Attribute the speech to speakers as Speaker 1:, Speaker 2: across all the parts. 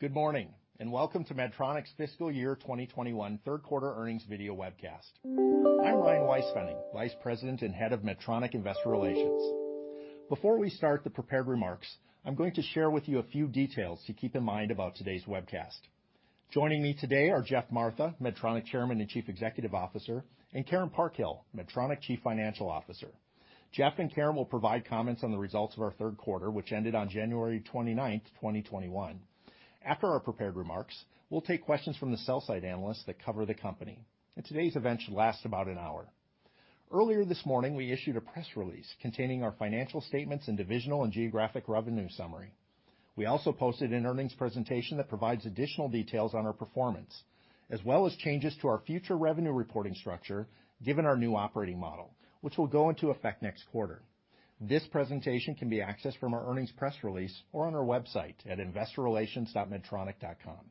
Speaker 1: Good morning, and welcome to Medtronic's fiscal year 2021 third quarter earnings video webcast. I'm Ryan Weispfenning, Vice President and Head of Medtronic Investor Relations. Before we start the prepared remarks, I'm going to share with you a few details to keep in mind about today's webcast. Joining me today are Geoff Martha, Medtronic Chairman and Chief Executive Officer, and Karen Parkhill, Medtronic Chief Financial Officer. Geoff and Karen will provide comments on the results of our third quarter, which ended on January 29th, 2021. After our prepared remarks, we'll take questions from the sell-side analysts that cover the company. Today's event should last about an hour. Earlier this morning, we issued a press release containing our financial statements and divisional and geographic revenue summary. We also posted an earnings presentation that provides additional details on our performance, as well as changes to our future revenue reporting structure given our new operating model, which will go into effect next quarter. This presentation can be accessed from our earnings press release or on our website at investorrelations.medtronic.com.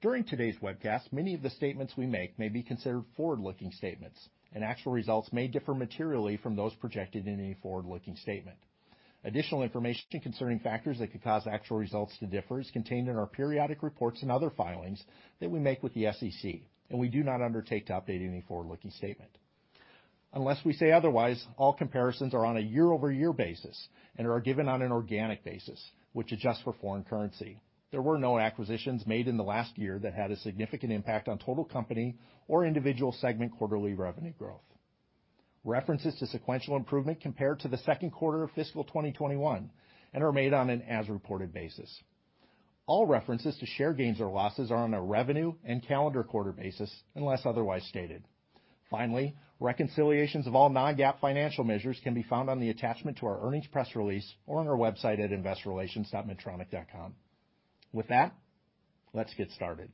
Speaker 1: During today's webcast, many of the statements we make may be considered forward-looking statements, and actual results may differ materially from those projected in any forward-looking statement. Additional information concerning factors that could cause actual results to differ is contained in our periodic reports and other filings that we make with the SEC, and we do not undertake to update any forward-looking statement. Unless we say otherwise, all comparisons are on a year-over-year basis and are given on an organic basis, which adjusts for foreign currency. There were no acquisitions made in the last year that had a significant impact on total company or individual segment quarterly revenue growth. References to sequential improvement compared to the second quarter of fiscal 2021 and are made on an as reported basis. All references to share gains or losses are on a revenue and calendar quarter basis unless otherwise stated. Finally, reconciliations of all non-GAAP financial measures can be found on the attachment to our earnings press release or on our website at investorrelations.medtronic.com. With that, let's get started.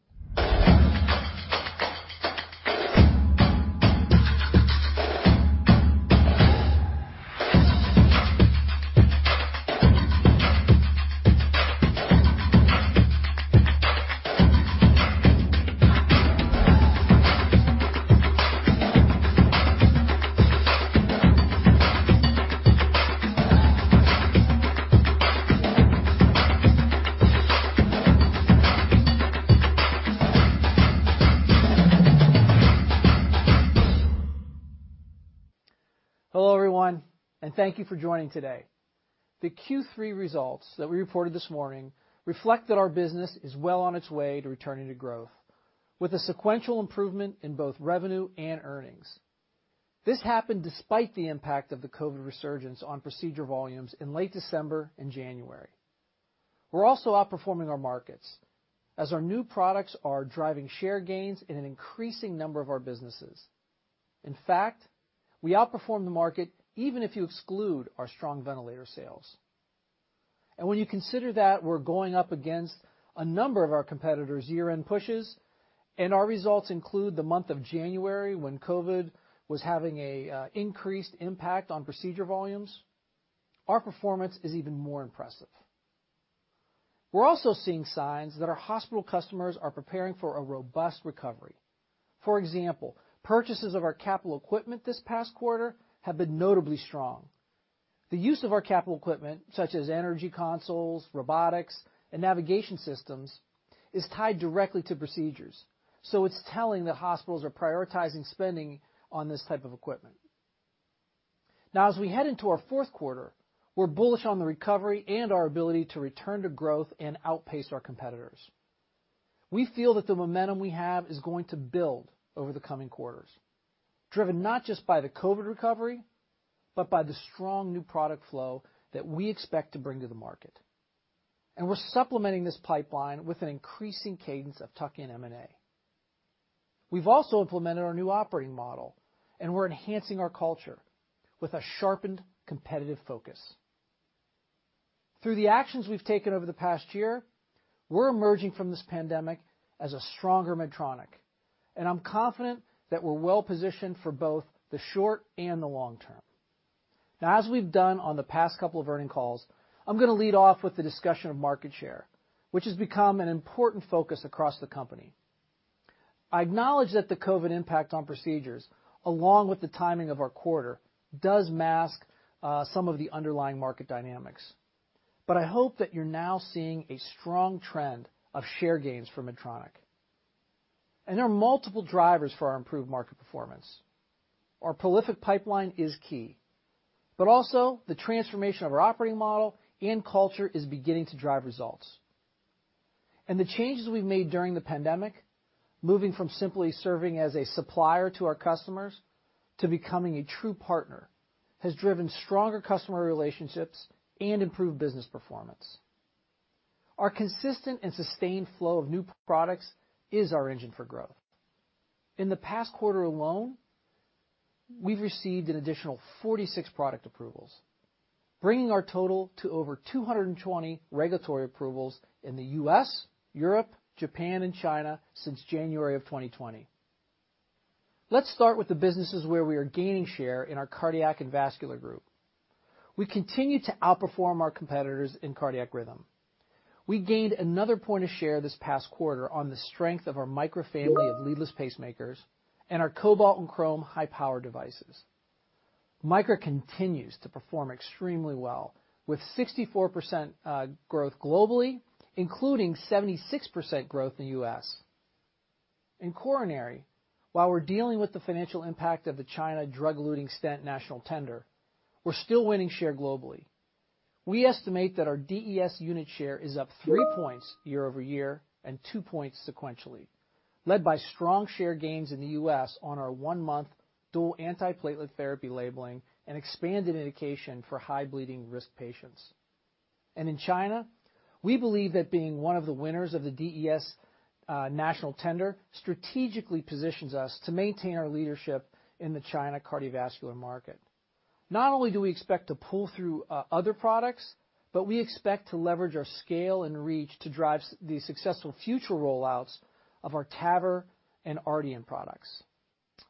Speaker 2: Hello, everyone, and thank you for joining today. The Q3 results that we reported this morning reflect that our business is well on its way to returning to growth with a sequential improvement in both revenue and earnings. This happened despite the impact of the COVID resurgence on procedure volumes in late December and January. We're also outperforming our markets as our new products are driving share gains in an increasing number of our businesses. In fact, we outperform the market even if you exclude our strong ventilator sales. When you consider that we're going up against a number of our competitors' year-end pushes, and our results include the month of January, when COVID was having an increased impact on procedure volumes, our performance is even more impressive. We're also seeing signs that our hospital customers are preparing for a robust recovery. For example, purchases of our capital equipment this past quarter have been notably strong. The use of our capital equipment, such as energy consoles, robotics, and navigation systems, is tied directly to procedures, so it's telling that hospitals are prioritizing spending on this type of equipment. As we head into our fourth quarter, we're bullish on the recovery and our ability to return to growth and outpace our competitors. We feel that the momentum we have is going to build over the coming quarters, driven not just by the COVID recovery, but by the strong new product flow that we expect to bring to the market. We're supplementing this pipeline with an increasing cadence of tuck-in M&A. We've also implemented our new operating model, and we're enhancing our culture with a sharpened competitive focus. Through the actions we've taken over the past year, we're emerging from this pandemic as a stronger Medtronic, and I'm confident that we're well-positioned for both the short and the long-term. As we've done on the past couple of earning calls, I'm going to lead off with the discussion of market share, which has become an important focus across the company. I acknowledge that the COVID impact on procedures, along with the timing of our quarter, does mask some of the underlying market dynamics. I hope that you're now seeing a strong trend of share gains for Medtronic. There are multiple drivers for our improved market performance. Our prolific pipeline is key, but also the transformation of our operating model and culture is beginning to drive results. The changes we've made during the pandemic, moving from simply serving as a supplier to our customers to becoming a true partner, has driven stronger customer relationships and improved business performance. Our consistent and sustained flow of new products is our engine for growth. In the past quarter alone, we've received an additional 46 product approvals, bringing our total to over 220 regulatory approvals in the U.S., Europe, Japan, and China since January of 2020. Let's start with the businesses where we are gaining share in our Cardiac and Vascular Group. We continue to outperform our competitors in Cardiac Rhythm. We gained another point of share this past quarter on the strength of our Micra family of leadless pacemakers and our Cobalt and Crome high-power devices. Micra continues to perform extremely well, with 64% growth globally, including 76% growth in the U.S. In coronary, while we're dealing with the financial impact of the China drug-eluting stent national tender, we're still winning share globally. We estimate that our DES unit share is up three points year-over-year and two points sequentially, led by strong share gains in the U.S. on our one-month dual antiplatelet therapy labeling and expanded indication for high bleeding risk patients. In China, we believe that being one of the winners of the DES national tender strategically positions us to maintain our leadership in the China cardiovascular market. Not only do we expect to pull through other products, but we expect to leverage our scale and reach to drive the successful future rollouts of our TAVR and RDN products.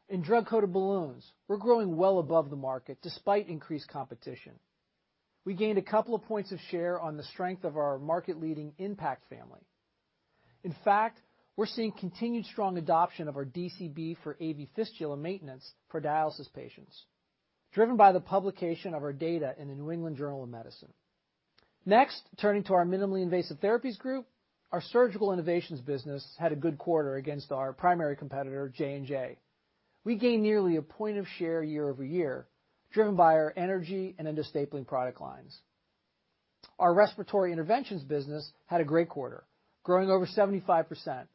Speaker 2: In drug-coated balloons, we're growing well above the market despite increased competition. We gained a couple of points of share on the strength of our market-leading IN.PACT family. In fact, we're seeing continued strong adoption of our DCB for AV fistula maintenance for dialysis patients, driven by the publication of our data in the "New England Journal of Medicine." Next, turning to our Minimally Invasive Therapies Group, our surgical innovations business had a good quarter against our primary competitor, J&J. We gained nearly one point of share year-over-year, driven by our Energy and Endo Stapling product lines. Our respiratory interventions business had a great quarter, growing over 75%.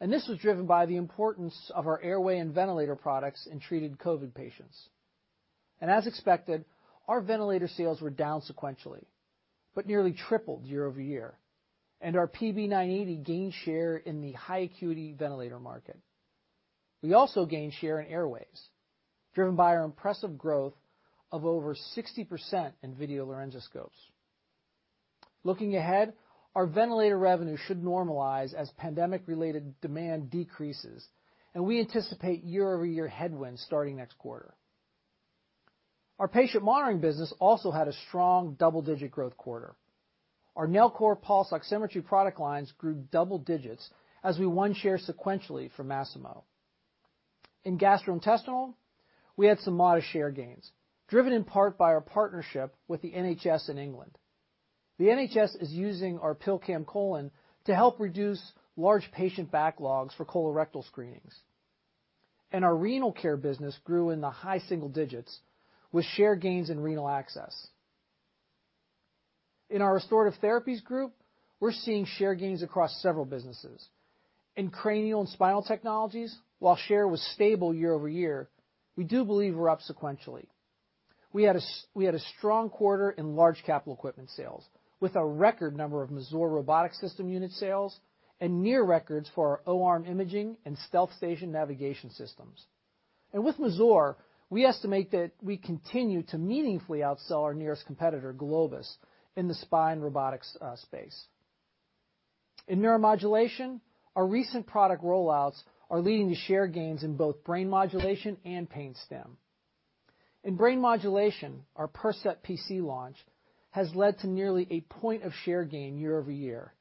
Speaker 2: This was driven by the importance of our airway and ventilator products in treated COVID patients. As expected, our ventilator sales were down sequentially, but nearly tripled year-over-year, and our PB 980 gained share in the high acuity ventilator market. We also gained share in airways, driven by our impressive growth of over 60% in video laryngoscopes. Looking ahead, our ventilator revenue should normalize as pandemic-related demand decreases, and we anticipate year-over-year headwinds starting next quarter. Our patient monitoring business also had a strong double-digit growth quarter. Our Nellcor pulse oximetry product lines grew double-digits as we won share sequentially from Masimo. In gastrointestinal, we had some modest share gains, driven in part by our partnership with the NHS in England. The NHS is using our PillCam COLON to help reduce large patient backlogs for colorectal screenings. Our renal care business grew in the high single digits with share gains in renal access. In our Restorative Therapies Group, we're seeing share gains across several businesses. In cranial and spinal technologies, while share was stable year-over-year, we do believe we're up sequentially. We had a strong quarter in large capital equipment sales, with a record number of Mazor robotic system unit sales and near records for our O-arm imaging and StealthStation navigation systems. With Mazor, we estimate that we continue to meaningfully outsell our nearest competitor, Globus, in the spine robotics space. In neuromodulation, our recent product rollouts are leading to share gains in both brain modulation and pain stim. In brain modulation, our Percept PC launch has led to nearly a point of share gain year-over-year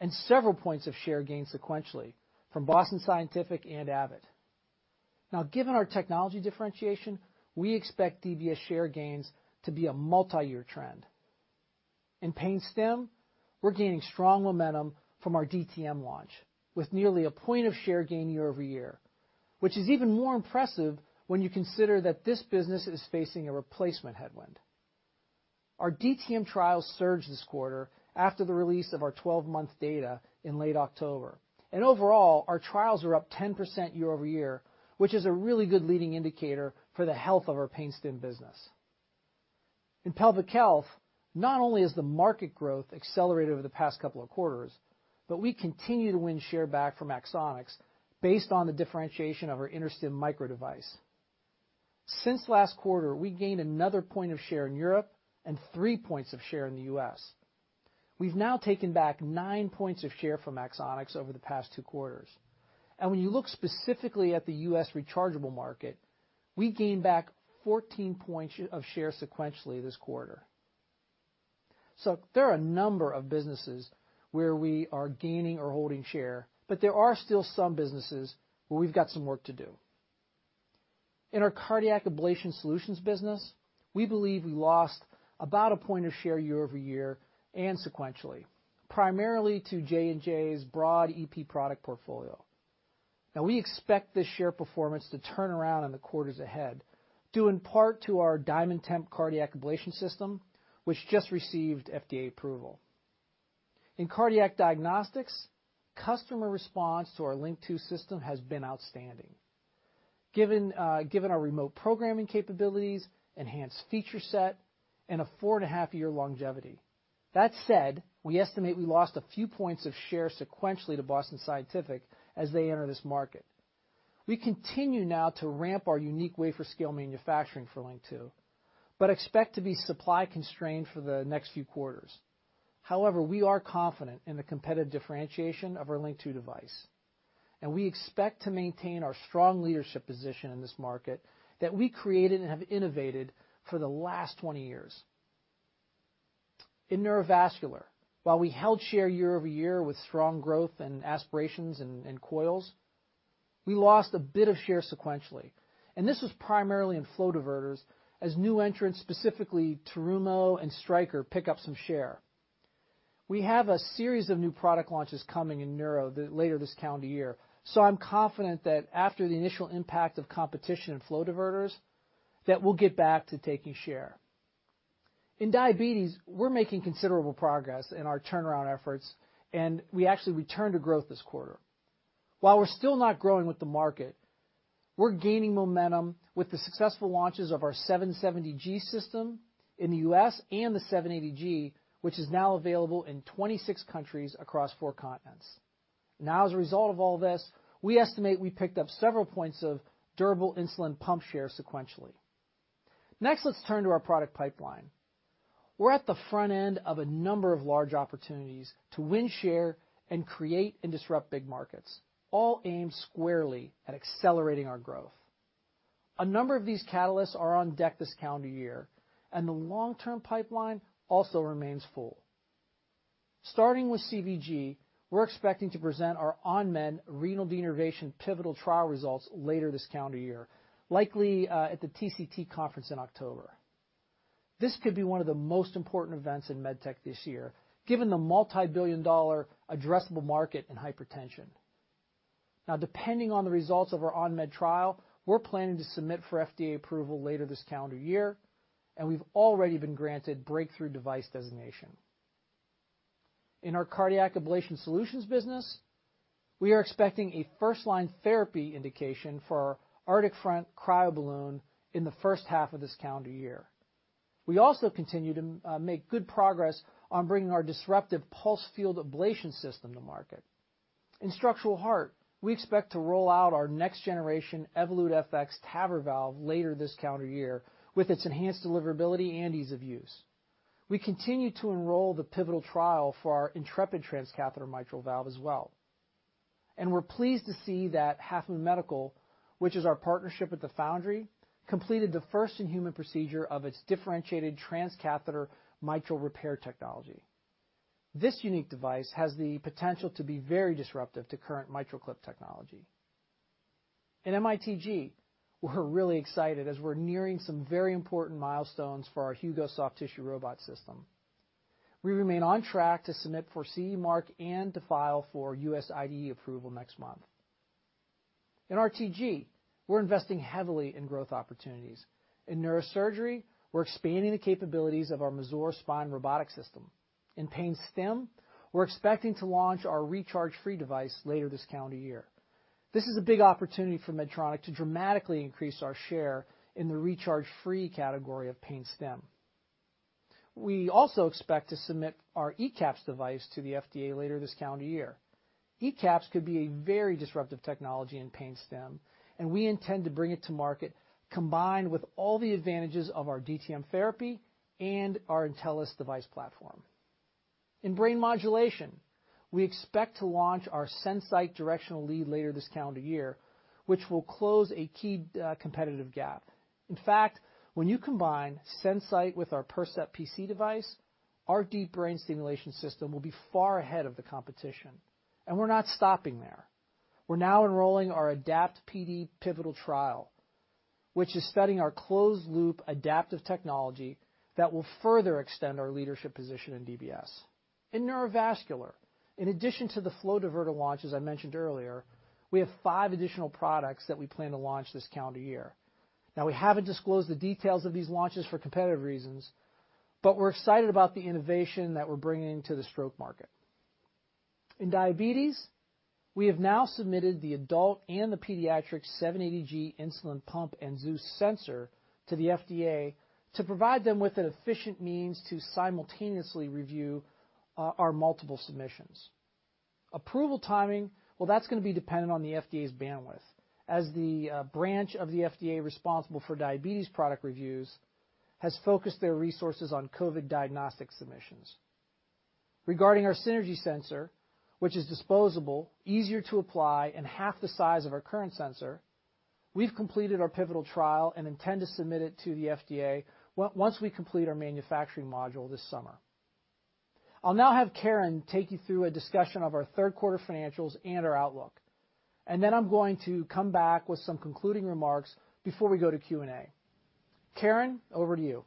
Speaker 2: and several points of share gain sequentially from Boston Scientific and Abbott. Given our technology differentiation, we expect DBS share gains to be a multiyear trend. In pain stim, we're gaining strong momentum from our DTM launch, with nearly a point of share gain year-over-year, which is even more impressive when you consider that this business is facing a replacement headwind. Our DTM trials surged this quarter after the release of our 12-month data in late October. Overall, our trials are up 10% year-over-year, which is a really good leading indicator for the health of our pain stim business. In pelvic health, not only has the market growth accelerated over the past couple of quarters, but we continue to win share back from Axonics based on the differentiation of our InterStim Micro device. Since last quarter, we gained another point of share in Europe and 3 points of share in the U.S. We've now taken back 9 points of share from Axonics over the past two quarters. When you look specifically at the U.S. rechargeable market, we gained back 14 points of share sequentially this quarter. There are a number of businesses where we are gaining or holding share, but there are still some businesses where we've got some work to do. In our cardiac ablation solutions business, we believe we lost about one point of share year-over-year and sequentially, primarily to J&J's broad EP product portfolio. Now we expect this share performance to turn around in the quarters ahead, due in part to our DiamondTemp Cardiac Ablation System, which just received FDA approval. In cardiac diagnostics, customer response to our LINQ II system has been outstanding given our remote programming capabilities, enhanced feature set, and a four-and-a-half-year longevity. That said, we estimate we lost a few points of share sequentially to Boston Scientific as they enter this market. We continue now to ramp our unique wafer scale manufacturing for LINQ II, but expect to be supply constrained for the next few quarters. We are confident in the competitive differentiation of our LINQ II device, and we expect to maintain our strong leadership position in this market that we created and have innovated for the last 20 years. In neurovascular, while we held share year-over-year with strong growth in aspirations and coils, we lost a bit of share sequentially. This was primarily in flow diverters as new entrants, specifically Terumo and Stryker, pick up some share. We have a series of new product launches coming in neuro later this calendar year. I'm confident that after the initial impact of competition in flow diverters, that we'll get back to taking share. In diabetes, we're making considerable progress in our turnaround efforts, and we actually returned to growth this quarter. While we're still not growing with the market, we're gaining momentum with the successful launches of our 770G system in the U.S. and the 780G, which is now available in 26 countries across four continents. As a result of all this, we estimate we picked up several points of durable insulin pump share sequentially. Let's turn to our product pipeline. We're at the front end of a number of large opportunities to win share and create and disrupt big markets, all aimed squarely at accelerating our growth. A number of these catalysts are on deck this calendar year, and the long-term pipeline also remains full. Starting with CVG, we're expecting to present our ON MED renal denervation pivotal trial results later this calendar year, likely at the TCT conference in October. This could be one of the most important events in MedTech this year, given the multibillion-dollar addressable market in hypertension. Depending on the results of our ON MED trial, we're planning to submit for FDA approval later this calendar year, and we've already been granted breakthrough device designation. In our cardiac ablation solutions business, we are expecting a first-line therapy indication for our Arctic Front cryoballoon in the first half of this calendar year. We also continue to make good progress on bringing our disruptive pulsed field ablation system to market. In structural heart, we expect to roll out our next generation Evolut FX TAVR valve later this calendar year with its enhanced deliverability and ease of use. We continue to enroll the pivotal trial for our Intrepid transcatheter mitral valve as well. We're pleased to see that Half Moon Medical, which is our partnership with The Foundry, completed the first in human procedure of its differentiated transcatheter mitral repair technology. This unique device has the potential to be very disruptive to current MitraClip technology. In MITG, we're really excited as we're nearing some very important milestones for our Hugo soft tissue robot system. We remain on track to submit for CE Mark and to file for U.S. IDE approval next month. In RTG, we're investing heavily in growth opportunities. In neurosurgery, we're expanding the capabilities of our Mazor spine robotic system. In pain stim, we're expecting to launch our recharge-free device later this calendar year. This is a big opportunity for Medtronic to dramatically increase our share in the recharge-free category of pain stim. We also expect to submit our ECAPs device to the FDA later this calendar year. ECAPs could be a very disruptive technology in pain stim, we intend to bring it to market combined with all the advantages of our DTM therapy and our Intellis device platform. In brain modulation, we expect to launch our SenSight directional lead later this calendar year, which will close a key competitive gap. In fact, when you combine SenSight with our Percept PC device, our deep brain stimulation system will be far ahead of the competition. We're not stopping there. We're now enrolling our ADAPT-PD pivotal trial, which is studying our closed loop adaptive technology that will further extend our leadership position in DBS. In neurovascular, in addition to the flow diverter launch, as I mentioned earlier, we have five additional products that we plan to launch this calendar year. Now, we haven't disclosed the details of these launches for competitive reasons, but we're excited about the innovation that we're bringing to the stroke market. In diabetes, we have now submitted the adult and the pediatric 780G insulin pump and Zeus sensor to the FDA to provide them with an efficient means to simultaneously review our multiple submissions. Approval timing, well, that's going to be dependent on the FDA's bandwidth, as the branch of the FDA responsible for diabetes product reviews has focused their resources on COVID diagnostic submissions. Regarding our Synergy sensor, which is disposable, easier to apply, and half the size of our current sensor, we've completed our pivotal trial and intend to submit it to the FDA once we complete our manufacturing module this summer. I'll now have Karen take you through a discussion of our third quarter financials and our outlook. Then I'm going to come back with some concluding remarks before we go to Q&A. Karen, over to you.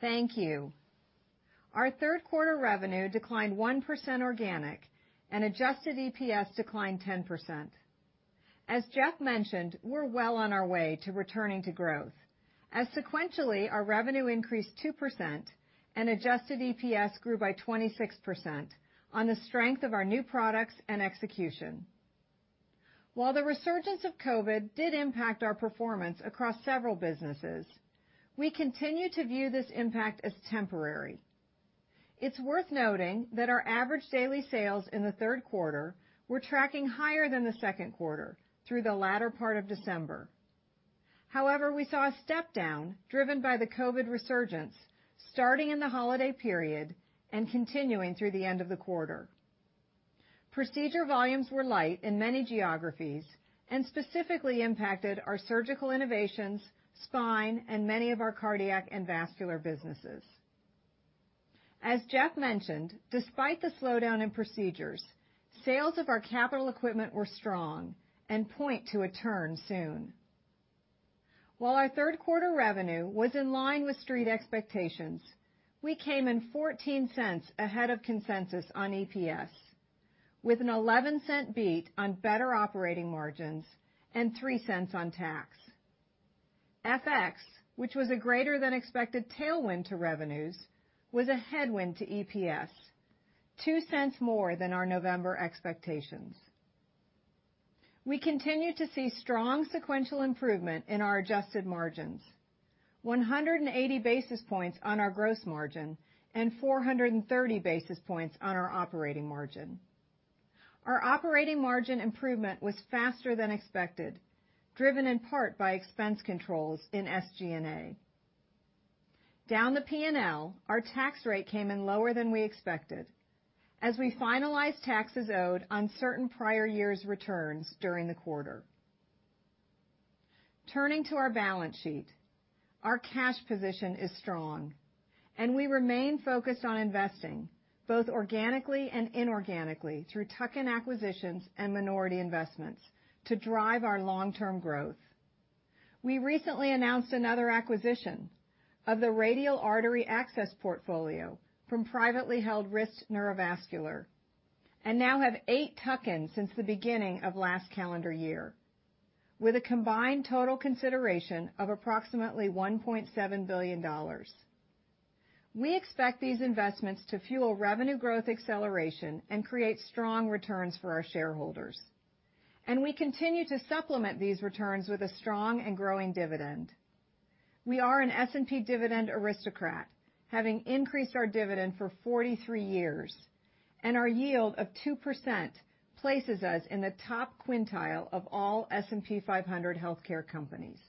Speaker 3: Thank you. Our third quarter revenue declined 1% organic and adjusted EPS declined 10%. As Geoff mentioned, we're well on our way to returning to growth as sequentially our revenue increased 2% and adjusted EPS grew by 26% on the strength of our new products and execution. While the resurgence of COVID did impact our performance across several businesses, we continue to view this impact as temporary. It's worth noting that our average daily sales in the third quarter were tracking higher than the second quarter through the latter part of December. However, we saw a step down driven by the COVID resurgence starting in the holiday period and continuing through the end of the quarter. Procedure volumes were light in many geographies, and specifically impacted our surgical innovations, spine, and many of our cardiac and vascular businesses. As Geoff mentioned, despite the slowdown in procedures, sales of our capital equipment were strong and point to a turn soon. While our third quarter revenue was in line with Street expectations, we came in $0.14 ahead of consensus on EPS, with an $0.11 beat on better operating margins and $0.03 on tax. FX, which was a greater than expected tailwind to revenues, was a headwind to EPS, $0.02 more than our November expectations. We continue to see strong sequential improvement in our adjusted margins, 180 basis points on our gross margin and 430 basis points on our operating margin. Our operating margin improvement was faster than expected, driven in part by expense controls in SG&A. Down the P&L, our tax rate came in lower than we expected as we finalized taxes owed on certain prior year's returns during the quarter. Turning to our balance sheet, our cash position is strong and we remain focused on investing, both organically and inorganically, through tuck-in acquisitions and minority investments to drive our long-term growth. We recently announced another acquisition of the radial artery access portfolio from privately held Rist Neurovascular, and now have eight tuck-ins since the beginning of last calendar year, with a combined total consideration of approximately $1.7 billion. We expect these investments to fuel revenue growth acceleration and create strong returns for our shareholders, and we continue to supplement these returns with a strong and growing dividend. We are an S&P dividend aristocrat, having increased our dividend for 43 years, and our yield of 2% places us in the top quintile of all S&P 500 healthcare companies.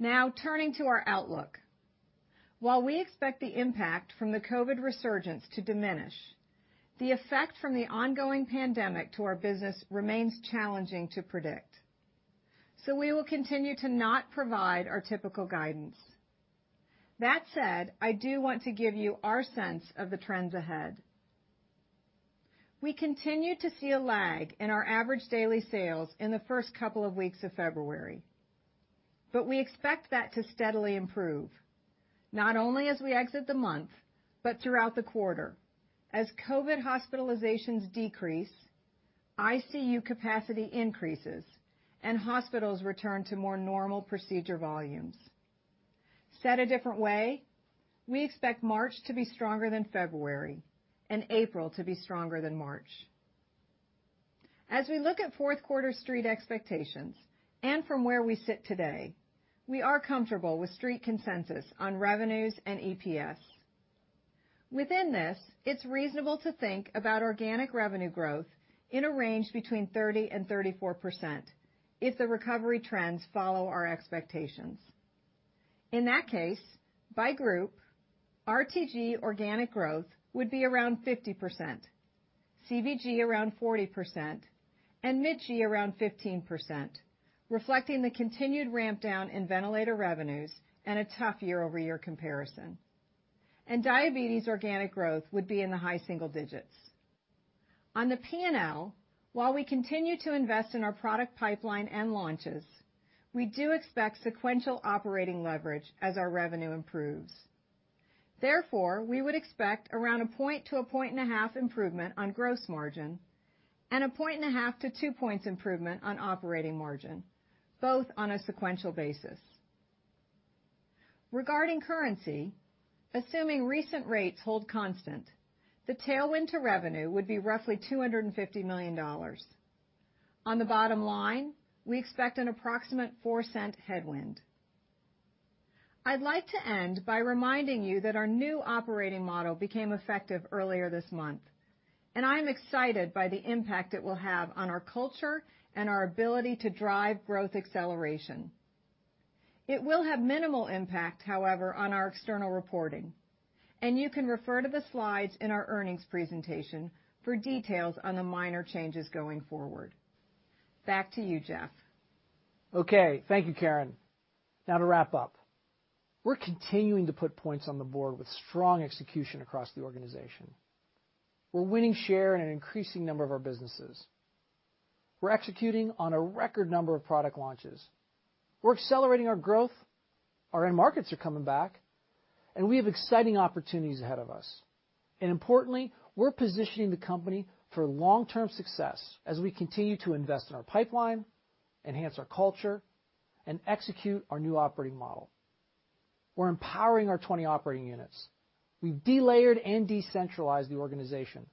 Speaker 3: Now, turning to our outlook. While we expect the impact from the COVID resurgence to diminish, the effect from the ongoing pandemic to our business remains challenging to predict, so we will continue to not provide our typical guidance. That said, I do want to give you our sense of the trends ahead. We continue to see a lag in our average daily sales in the first couple of weeks of February, but we expect that to steadily improve, not only as we exit the month, but throughout the quarter. As COVID hospitalizations decrease, ICU capacity increases, and hospitals return to more normal procedure volumes. Said a different way, we expect March to be stronger than February and April to be stronger than March. As we look at fourth quarter Street expectations, and from where we sit today, we are comfortable with Street consensus on revenues and EPS. Within this, it's reasonable to think about organic revenue growth in a range between 30% and 34%, if the recovery trends follow our expectations. In that case, by group, RTG organic growth would be around 50%, CVG around 40%, and MITG around 15%, reflecting the continued ramp down in ventilator revenues and a tough year-over-year comparison. Diabetes organic growth would be in the high single-digits. On the P&L, while we continue to invest in our product pipeline and launches, we do expect sequential operating leverage as our revenue improves. Therefore, we would expect around a point to a point and a half improvement on gross margin and one and a half to two points improvement on operating margin, both on a sequential basis. Regarding currency, assuming recent rates hold constant, the tailwind to revenue would be roughly $250 million. On the bottom line, we expect an approximate $0.04 headwind. I'd like to end by reminding you that our new operating model became effective earlier this month, and I am excited by the impact it will have on our culture and our ability to drive growth acceleration. It will have minimal impact, however, on our external reporting, and you can refer to the slides in our earnings presentation for details on the minor changes going forward. Back to you, Geoff.
Speaker 2: Okay. Thank you, Karen. Now to wrap up. We're continuing to put points on the board with strong execution across the organization. We're winning share in an increasing number of our businesses. We're executing on a record number of product launches. We're accelerating our growth. Our end markets are coming back, and we have exciting opportunities ahead of us. Importantly, we're positioning the company for long-term success as we continue to invest in our pipeline, enhance our culture, and execute our new operating model. We're empowering our 20 operating units. We've delayered and decentralized the organization,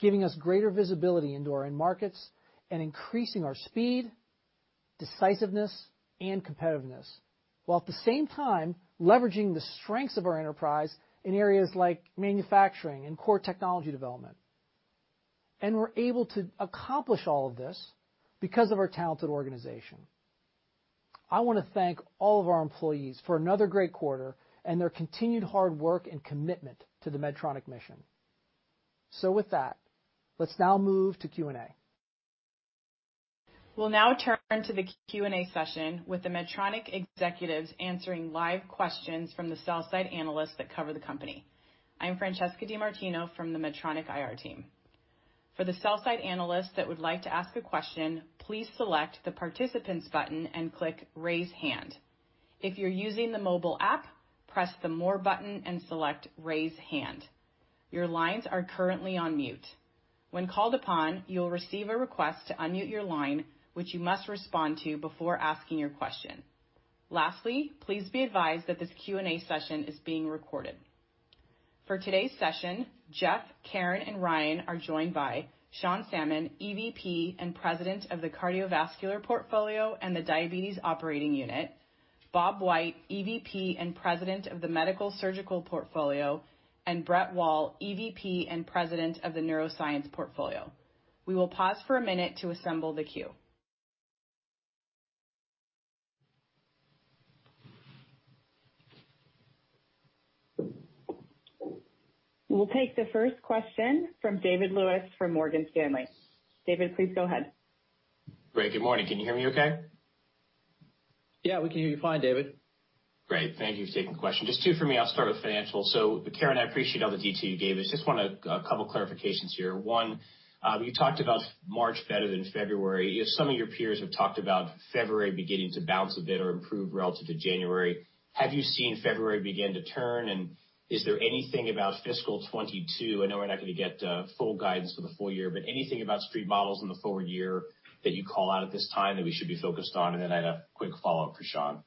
Speaker 2: giving us greater visibility into our end markets and increasing our speed, decisiveness, and competitiveness, while at the same time leveraging the strengths of our enterprise in areas like manufacturing and core technology development. We're able to accomplish all of this because of our talented organization. I want to thank all of our employees for another great quarter and their continued hard work and commitment to the Medtronic mission. With that, let's now move to Q&A.
Speaker 4: We'll now turn to the Q&A session with the Medtronic Executives answering live questions from the sell-side analysts that cover the company. I'm Francesca DeMartino from the Medtronic IR team. For the sell-side analysts that would like to ask a question, please select the Participants button and click Raise Hand. If you're using the mobile app, press the More button and select Raise Hand. Your lines are currently on mute. When called upon, you'll receive a request to unmute your line, which you must respond to before asking your question. Lastly, please be advised that this Q&A session is being recorded. For today's session, Geoff, Karen, and Ryan are joined by Sean Salmon, EVP and President of the Cardiovascular Portfolio and the Diabetes Operating Unit, Bob White, EVP and President of the Medical Surgical Portfolio, and Brett Wall, EVP and President of the Neuroscience Portfolio. We will pause for a minute to assemble the queue. We will take the first question from David Lewis from Morgan Stanley. David, please go ahead.
Speaker 5: Great. Good morning. Can you hear me okay?
Speaker 2: Yeah, we can hear you fine, David.
Speaker 5: Great. Thank you for taking the question. Just two for me. I'll start with financial. Karen, I appreciate all the detail you gave us. Just want a couple clarifications here. One, you talked about March better than February. Some of your peers have talked about February beginning to bounce a bit or improve relative to January. Have you seen February begin to turn, and is there anything about fiscal 2022, I know we're not going to get full guidance for the full year, but anything about Street models in the forward year that you call out at this time that we should be focused on? Then I had a quick follow-up for Sean.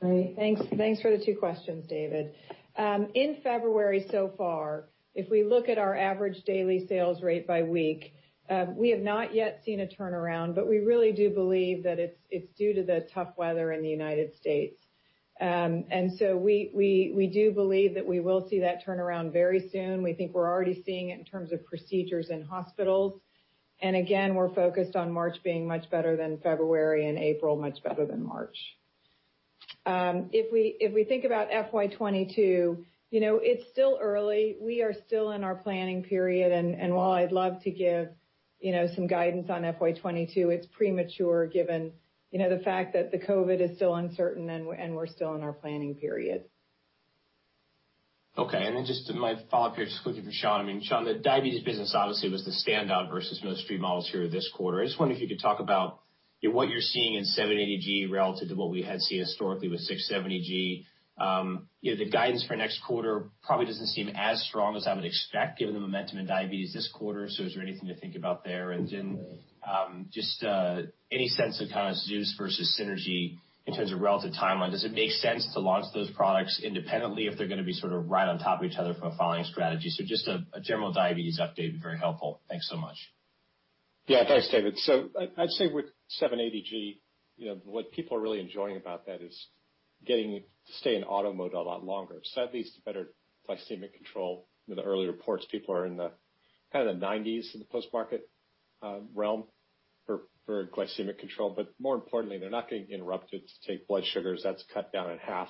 Speaker 3: Great. Thanks for the two questions, David. In February so far, if we look at our average daily sales rate by week, we have not yet seen a turnaround, we really do believe that it's due to the tough weather in the United States. We do believe that we will see that turnaround very soon. We think we're already seeing it in terms of procedures in hospitals. Again, we're focused on March being much better than February, and April much better than March. If we think about FY 2022, it's still early. We are still in our planning period. While I'd love to give some guidance on FY 2022, it's premature given the fact that the COVID is still uncertain, and we're still in our planning period.
Speaker 5: Okay. Just my follow-up here, just quickly for Sean. Sean, the diabetes business obviously was the standout versus most street models here this quarter. I just wonder if you could talk about what you're seeing in 780G relative to what we had seen historically with 670G. The guidance for next quarter probably doesn't seem as strong as I would expect, given the momentum in diabetes this quarter. Is there anything to think about there? Just any sense of kind of Zeus versus Synergy in terms of relative timeline. Does it make sense to launch those products independently if they're going to be sort of right on top of each other from a following strategy? Just a general diabetes update would be very helpful. Thanks so much.
Speaker 6: Yeah, thanks, David. I'd say with 780G, what people are really enjoying about that is getting to stay in auto mode a lot longer. That leads to better glycemic control. The early reports, people are in kind of the 90s in the post-market realm for glycemic control. More importantly, they're not getting interrupted to take blood sugars. That's cut down in half.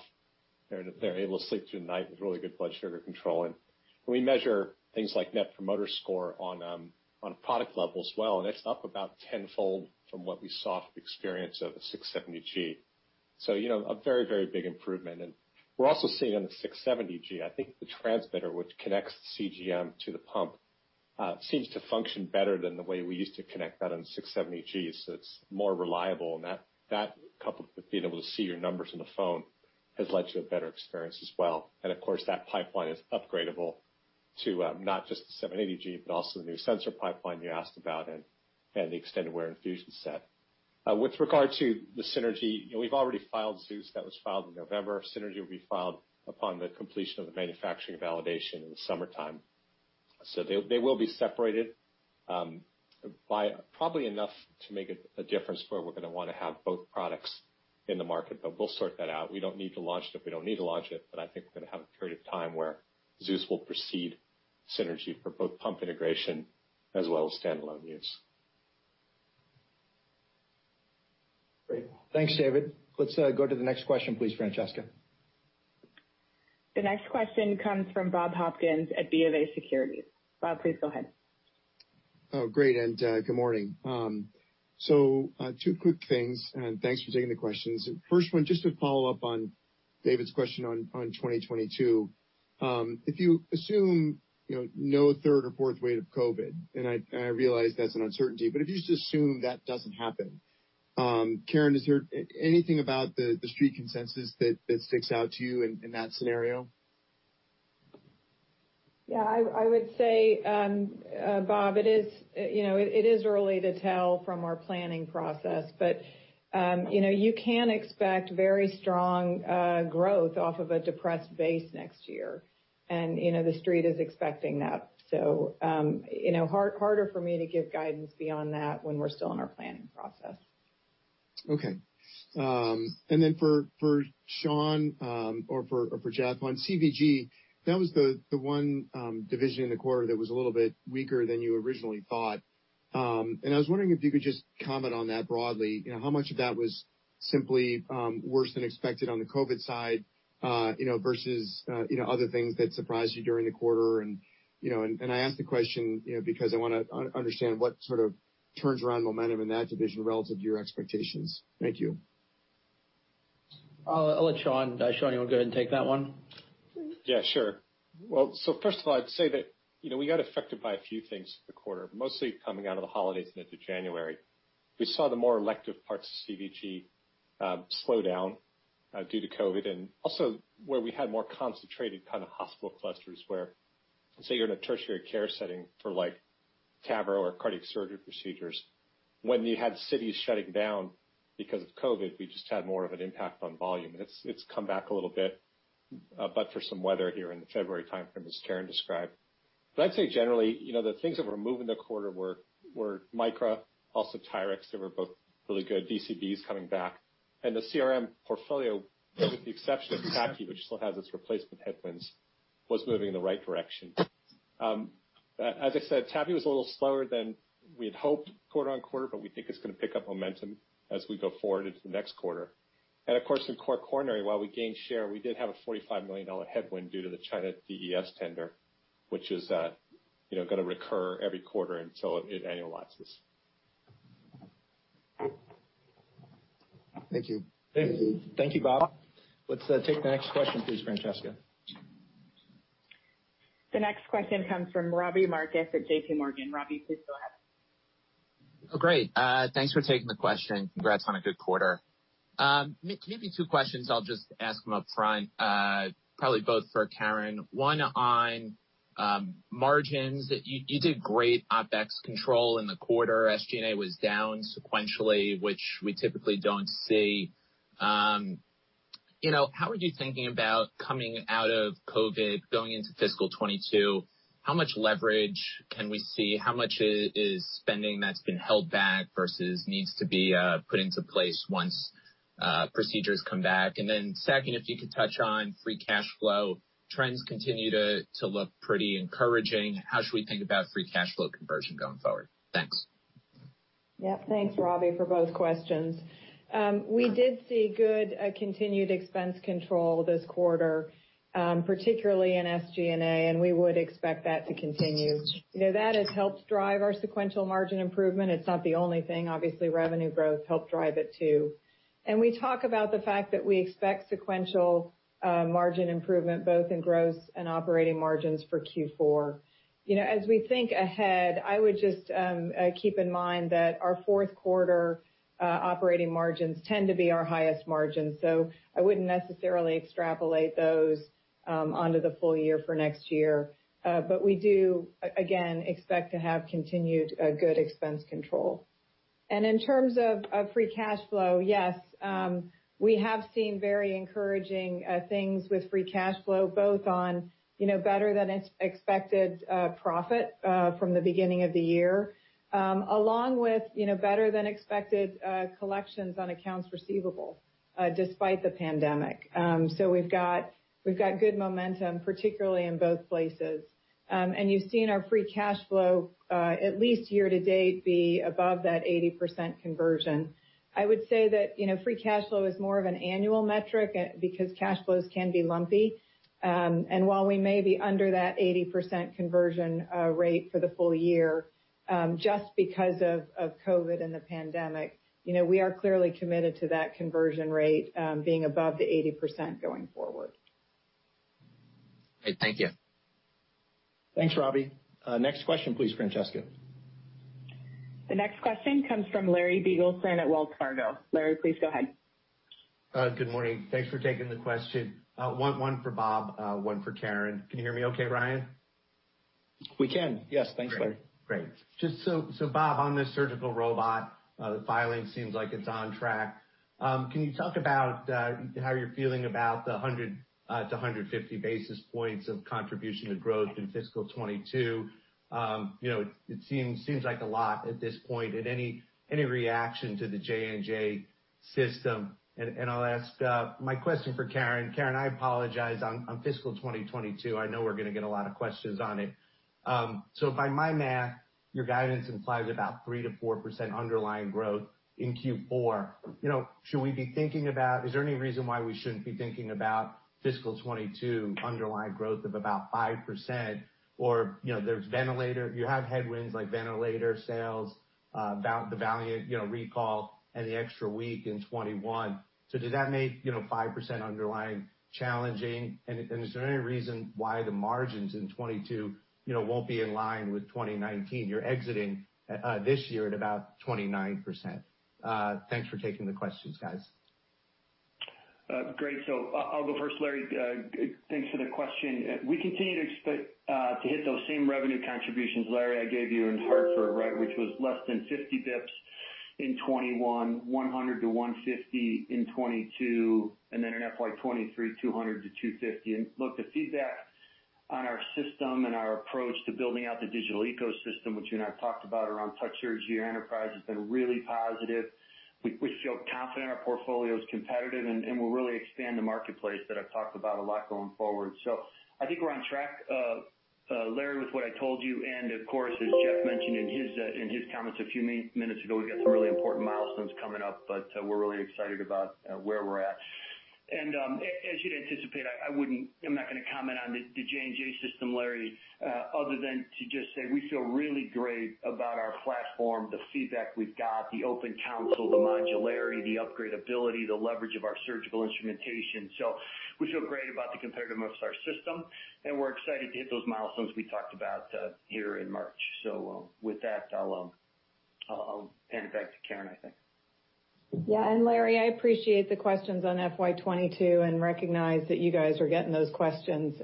Speaker 6: They're able to sleep through the night with really good blood sugar control. We measure things like net promoter score on a product level as well, and it's up about tenfold from what we saw from the experience of a 670G. A very big improvement. We're also seeing on the 670G, I think the transmitter, which connects the CGM to the pump, seems to function better than the way we used to connect that on 670G. It's more reliable, and that coupled with being able to see your numbers on the phone has led to a better experience as well. Of course, that pipeline is upgradable to not just the 780G, but also the new sensor pipeline you asked about and the extended wear infusion set. With regard to the Synergy, we've already filed Zeus. That was filed in November. Synergy will be filed upon the completion of the manufacturing validation in the summertime. They will be separated by probably enough to make a difference where we're going to want to have both products in the market, but we'll sort that out. We don't need to launch it if we don't need to launch it, but I think we're going to have a period of time where Zeus will precede Synergy for both pump integration as well as standalone use.
Speaker 1: Great. Thanks, David. Let's go to the next question, please, Francesca.
Speaker 4: The next question comes from Bob Hopkins at BofA Securities. Bob, please go ahead.
Speaker 7: Oh, great. Good morning. Two quick things. Thanks for taking the questions. First one, just to follow-up on David's question on 2022. If you assume no third or fourth wave of COVID, and I realize that's an uncertainty, but if you just assume that doesn't happen, Karen, is there anything about the street consensus that sticks out to you in that scenario?
Speaker 3: Yeah. I would say, Bob, it is early to tell from our planning process, but you can expect very strong growth off of a depressed base next year. The street is expecting that. Harder for me to give guidance beyond that when we're still in our planning process.
Speaker 7: Okay. Then for Sean or for Geoff, CVG, that was the one division in the quarter that was a little bit weaker than you originally thought. I was wondering if you could just comment on that broadly. How much of that was simply worse than expected on the COVID side, versus other things that surprised you during the quarter. I ask the question because I want to understand what sort of turns around momentum in that division relative to your expectations. Thank you.
Speaker 2: I'll let Sean. Sean, you want to go ahead and take that one?
Speaker 6: Yeah, sure. Well, first of all, I'd say that we got affected by a few things this quarter, mostly coming out of the holidays and into January. We saw the more elective parts of CVG slow down due to COVID, and also where we had more concentrated kind of hospital clusters where, let's say, you're in a tertiary care setting for TAVR or cardiac surgery procedures. When you had cities shutting down because of COVID, we just had more of an impact on volume, and it's come back a little bit. For some weather here in the February timeframe, as Karen described. I'd say generally, the things that were moving the quarter were Micra, also TYRX. They were both really good. DCBs coming back. The CRM portfolio, with the exception of TAVI, which still has its replacement headwinds, was moving in the right direction. As I said, TAVI was a little slower than we had hoped quarter-on-quarter, but we think it's going to pick up momentum as we go forward into the next quarter. Of course, in core coronary, while we gained share, we did have a $45 million headwind due to the China DES tender, which is going to recur every quarter until it annualizes.
Speaker 7: Thank you.
Speaker 2: Thank you.
Speaker 1: Thank you, Bob. Let's take the next question, please, Francesca.
Speaker 4: The next question comes from Robbie Marcus at JPMorgan. Robbie, please go ahead.
Speaker 8: Great. Thanks for taking the question. Congrats on a good quarter. Two questions, I'll just ask them upfront, probably both for Karen. One on margins. You did great OpEx control in the quarter. SG&A was down sequentially, which we typically don't see. How are you thinking about coming out of COVID going into fiscal 2022? How much leverage can we see? How much is spending that's been held back versus needs to be put into place once procedures come back? Second, if you could touch on free cash flow. Trends continue to look pretty encouraging. How should we think about free cash flow conversion going forward? Thanks.
Speaker 3: Thanks, Robbie, for both questions. We did see good continued expense control this quarter, particularly in SG&A, and we would expect that to continue. That has helped drive our sequential margin improvement. It's not the only thing. Obviously, revenue growth helped drive it too. We talk about the fact that we expect sequential margin improvement both in gross and operating margins for Q4. As we think ahead, I would just keep in mind that our fourth quarter operating margins tend to be our highest margins. I wouldn't necessarily extrapolate those onto the full year for next year. We do, again, expect to have continued good expense control. In terms of free cash flow, yes, we have seen very encouraging things with free cash flow, both on better-than-expected profit from the beginning of the year along with better-than-expected collections on accounts receivable despite the pandemic. We've got good momentum, particularly in both places. You've seen our free cash flow, at least year-to-date, be above that 80% conversion. I would say that free cash flow is more of an annual metric because cash flows can be lumpy. While we may be under that 80% conversion rate for the full year, just because of COVID and the pandemic, we are clearly committed to that conversion rate being above the 80% going forward.
Speaker 8: Great. Thank you.
Speaker 1: Thanks, Robbie. Next question, please, Francesca.
Speaker 4: The next question comes from Larry Biegelsen at Wells Fargo. Larry, please go ahead.
Speaker 9: Good morning. Thanks for taking the question. One for Bob, one for Karen. Can you hear me okay, Ryan?
Speaker 1: We can. Yes. Thanks, Larry.
Speaker 9: Bob, on this surgical robot, the filing seems like it's on track. Can you talk about how you're feeling about the 100 to 150 basis points of contribution to growth in fiscal 2022? It seems like a lot at this point. Any reaction to the J&J system? I'll ask my question for Karen. Karen, I apologize. On fiscal 2022, I know we're going to get a lot of questions on it. By my math, your guidance implies about 3%-4% underlying growth in Q4. Is there any reason why we shouldn't be thinking about fiscal 2022 underlying growth of about 5%? You have headwinds like ventilator sales, the Valiant recall, and the extra week in 2021. Does that make 5% underlying challenging? Is there any reason why the margins in 2022 won't be in line with 2019? You're exiting this year at about 29%. Thanks for taking the questions, guys.
Speaker 10: Great. I'll go first, Larry. Thanks for the question. We continue to expect to hit those same revenue contributions, Larry, I gave you in Hartford, which was less than 50 basis points in 2021, 100 to 150 in 2022, and then in FY 2023, 200 to 250. Look, to see that on our system and our approach to building out the digital ecosystem, which you and I talked about around Touch Surgery Enterprise has been really positive. We feel confident our portfolio is competitive, and we'll really expand the marketplace that I've talked about a lot going forward. I think we're on track, Larry, with what I told you, and of course, as Geoff mentioned in his comments a few minutes ago, we've got some really important milestones coming up, but we're really excited about where we're at. As you'd anticipate, I'm not going to comment on the J&J system, Larry, other than to just say, we feel really great about our platform, the feedback we've got, the open console, the modularity, the upgradeability, the leverage of our surgical instrumentation. We feel great about the competitiveness of our system, and we're excited to hit those milestones we talked about here in March. With that, I'll hand it back to Karen, I think.
Speaker 3: Yeah. Larry, I appreciate the questions on FY 2022 and recognize that you guys are getting those questions.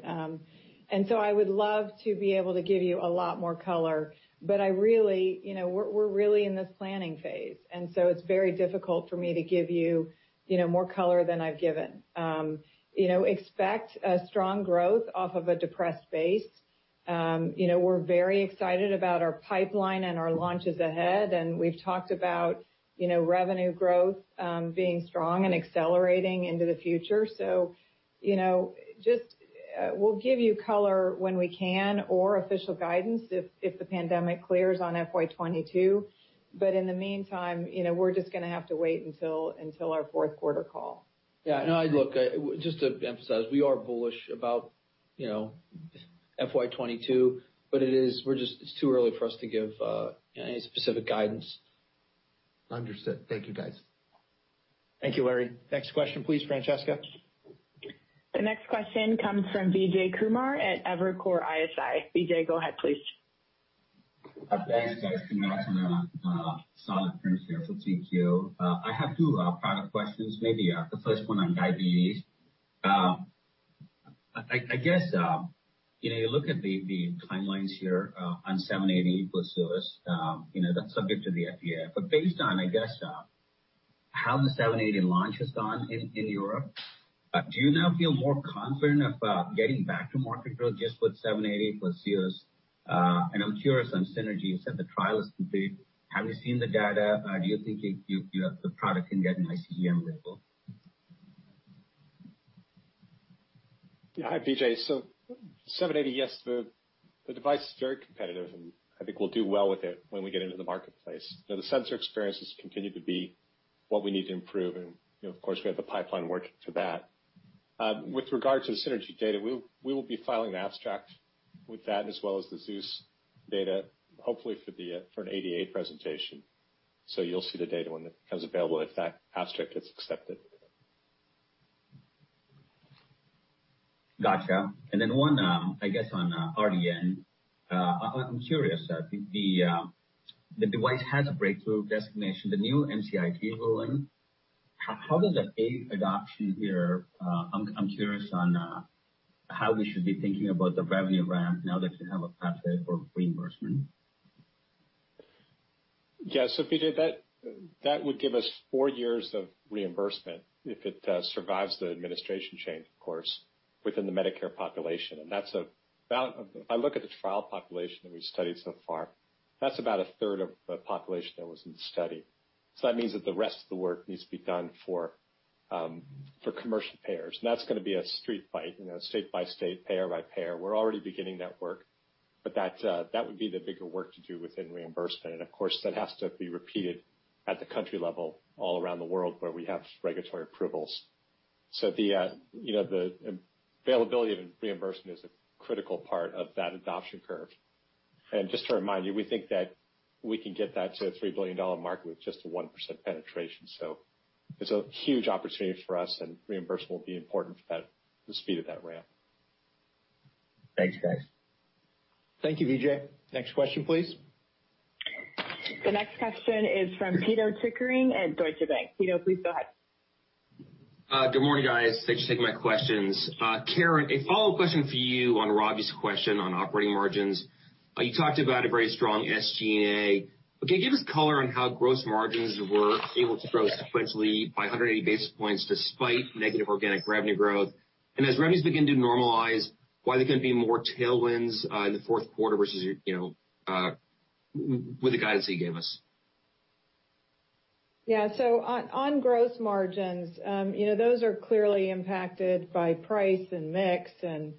Speaker 3: I would love to be able to give you a lot more color, but we're really in this planning phase, it's very difficult for me to give you more color than I've given. Expect a strong growth off of a depressed base. We're very excited about our pipeline and our launches ahead, we've talked about revenue growth being strong and accelerating into the future. We'll give you color when we can, or official guidance if the pandemic clears on FY 2022. In the meantime, we're just going to have to wait until our fourth quarter call.
Speaker 2: Yeah, no. Look, just to emphasize, we are bullish about FY 2022, but it's too early for us to give any specific guidance.
Speaker 9: Understood. Thank you, guys.
Speaker 1: Thank you, Larry. Next question, please, Francesca.
Speaker 4: The next question comes from Vijay Kumar at Evercore ISI. Vijay, go ahead, please.
Speaker 11: Thanks, guys. Congratulations on a solid first half of 2Q. I have two product questions, maybe the first one on diabetes. I guess, you look at the timelines here on 780 plus Zeus. That's subject to the FDA, but based on, I guess, how the 780 launch has gone in Europe, do you now feel more confident about getting back to market growth just with 780 plus Zeus? I'm curious on Synergy. You said the trial is complete. Have you seen the data? Do you think the product can get an iCGM label?
Speaker 6: Hi, Vijay. 780, yes, the device is very competitive, and I think we'll do well with it when we get into the marketplace. The sensor experiences continue to be what we need to improve, and of course, we have the pipeline work to that. With regard to the Synergy data, we will be filing the abstract with that as well as the Zeus data, hopefully for an ADA presentation. You'll see the data when that becomes available if that abstract gets accepted.
Speaker 11: Got you. One, I guess, on RDN. I'm curious. The device has a breakthrough designation, the new MCIT ruling. How does that aid adoption here? I'm curious on how we should be thinking about the revenue ramp now that you have a pathway for reimbursement.
Speaker 6: Yeah. Vijay, that would give us four years of reimbursement if it survives the administration change, of course, within the Medicare population. I look at the trial population that we've studied so far. That's about a third of the population that was in the study. That means that the rest of the work needs to be done for commercial payers. That's going to be a street fight, state by state, payer by payer. We're already beginning that work, that would be the bigger work to do within reimbursement. Of course, that has to be repeated at the country level all around the world where we have regulatory approvals. The availability of reimbursement is a critical part of that adoption curve. Just to remind you, we think that we can get that to a $3 billion market with just a 1% penetration. It's a huge opportunity for us, and reimbursement will be important for the speed of that ramp.
Speaker 11: Thanks, guys.
Speaker 1: Thank you, Vijay. Next question, please.
Speaker 4: The next question is from Pito Chickering at Deutsche Bank. Pito, please go ahead.
Speaker 12: Good morning, guys. Thanks for taking my questions. Karen, a follow-up question for you on Robbie's question on operating margins. You talked about a very strong SG&A. Can you give us color on how gross margins were able to grow sequentially by 180 basis points despite negative organic revenue growth? As revenues begin to normalize, why there can be more tailwinds in the fourth quarter versus with the guidance you gave us?
Speaker 3: Yeah. On gross margins, those are clearly impacted by price and mix and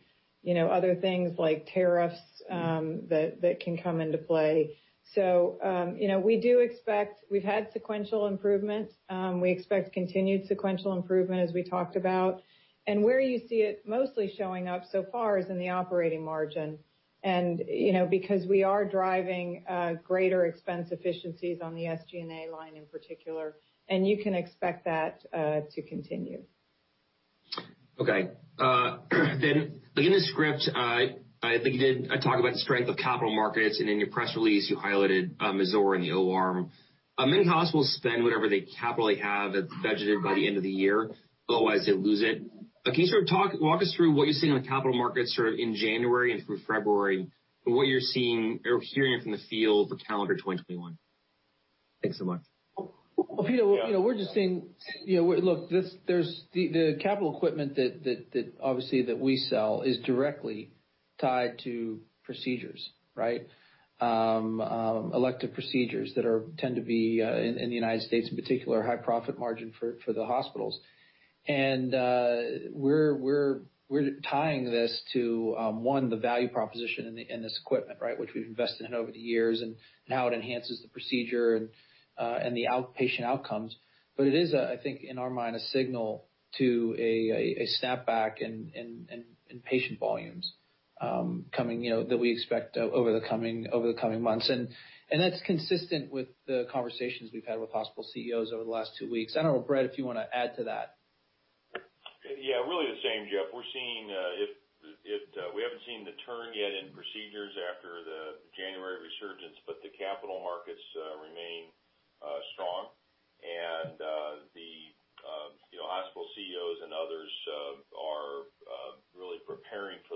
Speaker 3: other things like tariffs that can come into play. We've had sequential improvement. We expect continued sequential improvement as we talked about. Where you see it mostly showing up so far is in the operating margin. Because we are driving greater expense efficiencies on the SG&A line in particular, and you can expect that to continue.
Speaker 12: Okay. In the script, I think you did talk about the strength of capital markets, and in your press release, you highlighted Mazor and the O-arm. Many hospitals spend whatever capital they have that's budgeted by the end of the year; otherwise, they lose it. Can you sort of walk us through what you're seeing on the capital markets sort of in January and through February and what you're seeing or hearing from the field for calendar 2021? Thanks so much.
Speaker 2: Pito, we're just seeing the capital equipment that obviously we sell is directly tied to procedures, right? Elective procedures that tend to be, in the U.S. in particular, high profit margin for the hospitals. We're tying this to, one, the value proposition in this equipment, right? Which we've invested in over the years, and how it enhances the procedure, and the outpatient outcomes. It is, I think, in our mind, a signal to a snapback in patient volumes that we expect over the coming months. That's consistent with the conversations we've had with hospital CEOs over the last two weeks. I don't know, Brett, if you want to add to that.
Speaker 13: Yeah. Really the same, Geoff. We haven't seen the turn yet in procedures after the January resurgence, but the capital markets remain strong. The hospital CEOs and others are really preparing for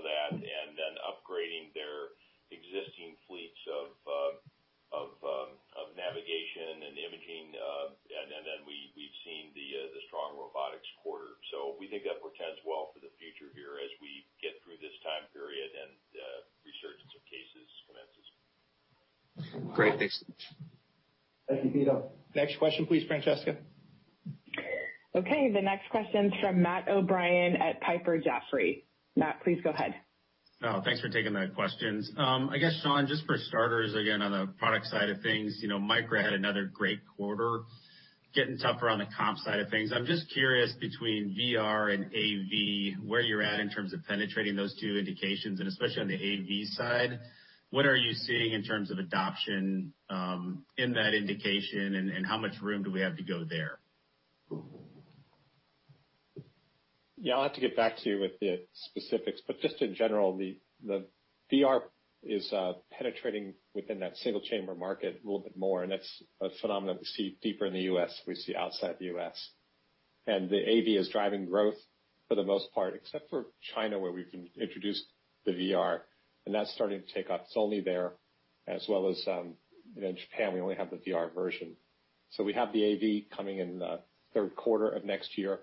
Speaker 13: that and then upgrading their existing fleets of navigation and imaging. Then we've seen the strong robotics quarter. We think that portends well for the future here as we get through this time period and the resurgence of cases commences.
Speaker 12: Great. Thanks.
Speaker 2: Thank you, Pito.
Speaker 1: Next question please, Francesca.
Speaker 4: Okay. The next question's from Matt O'Brien at Piper Jaffray. Matt, please go ahead.
Speaker 14: Thanks for taking the questions. I guess, Sean, just for starters again, on the product side of things, Micra had another great quarter. Getting tougher on the comp side of things. I'm just curious between VR and AV, where you're at in terms of penetrating those two indications, and especially on the AV side, what are you seeing in terms of adoption in that indication, and how much room do we have to go there?
Speaker 6: Yeah, I'll have to get back to you with the specifics, but just in general, the VR is penetrating within that single-chamber market a little bit more, and that's a phenomenon we see deeper in the U.S. than we see outside the U.S. The AV is driving growth for the most part, except for China, where we've introduced the VR, and that's starting to take off. It's only there, as well as in Japan, we only have the VR version. We have the AV coming in the third quarter of next year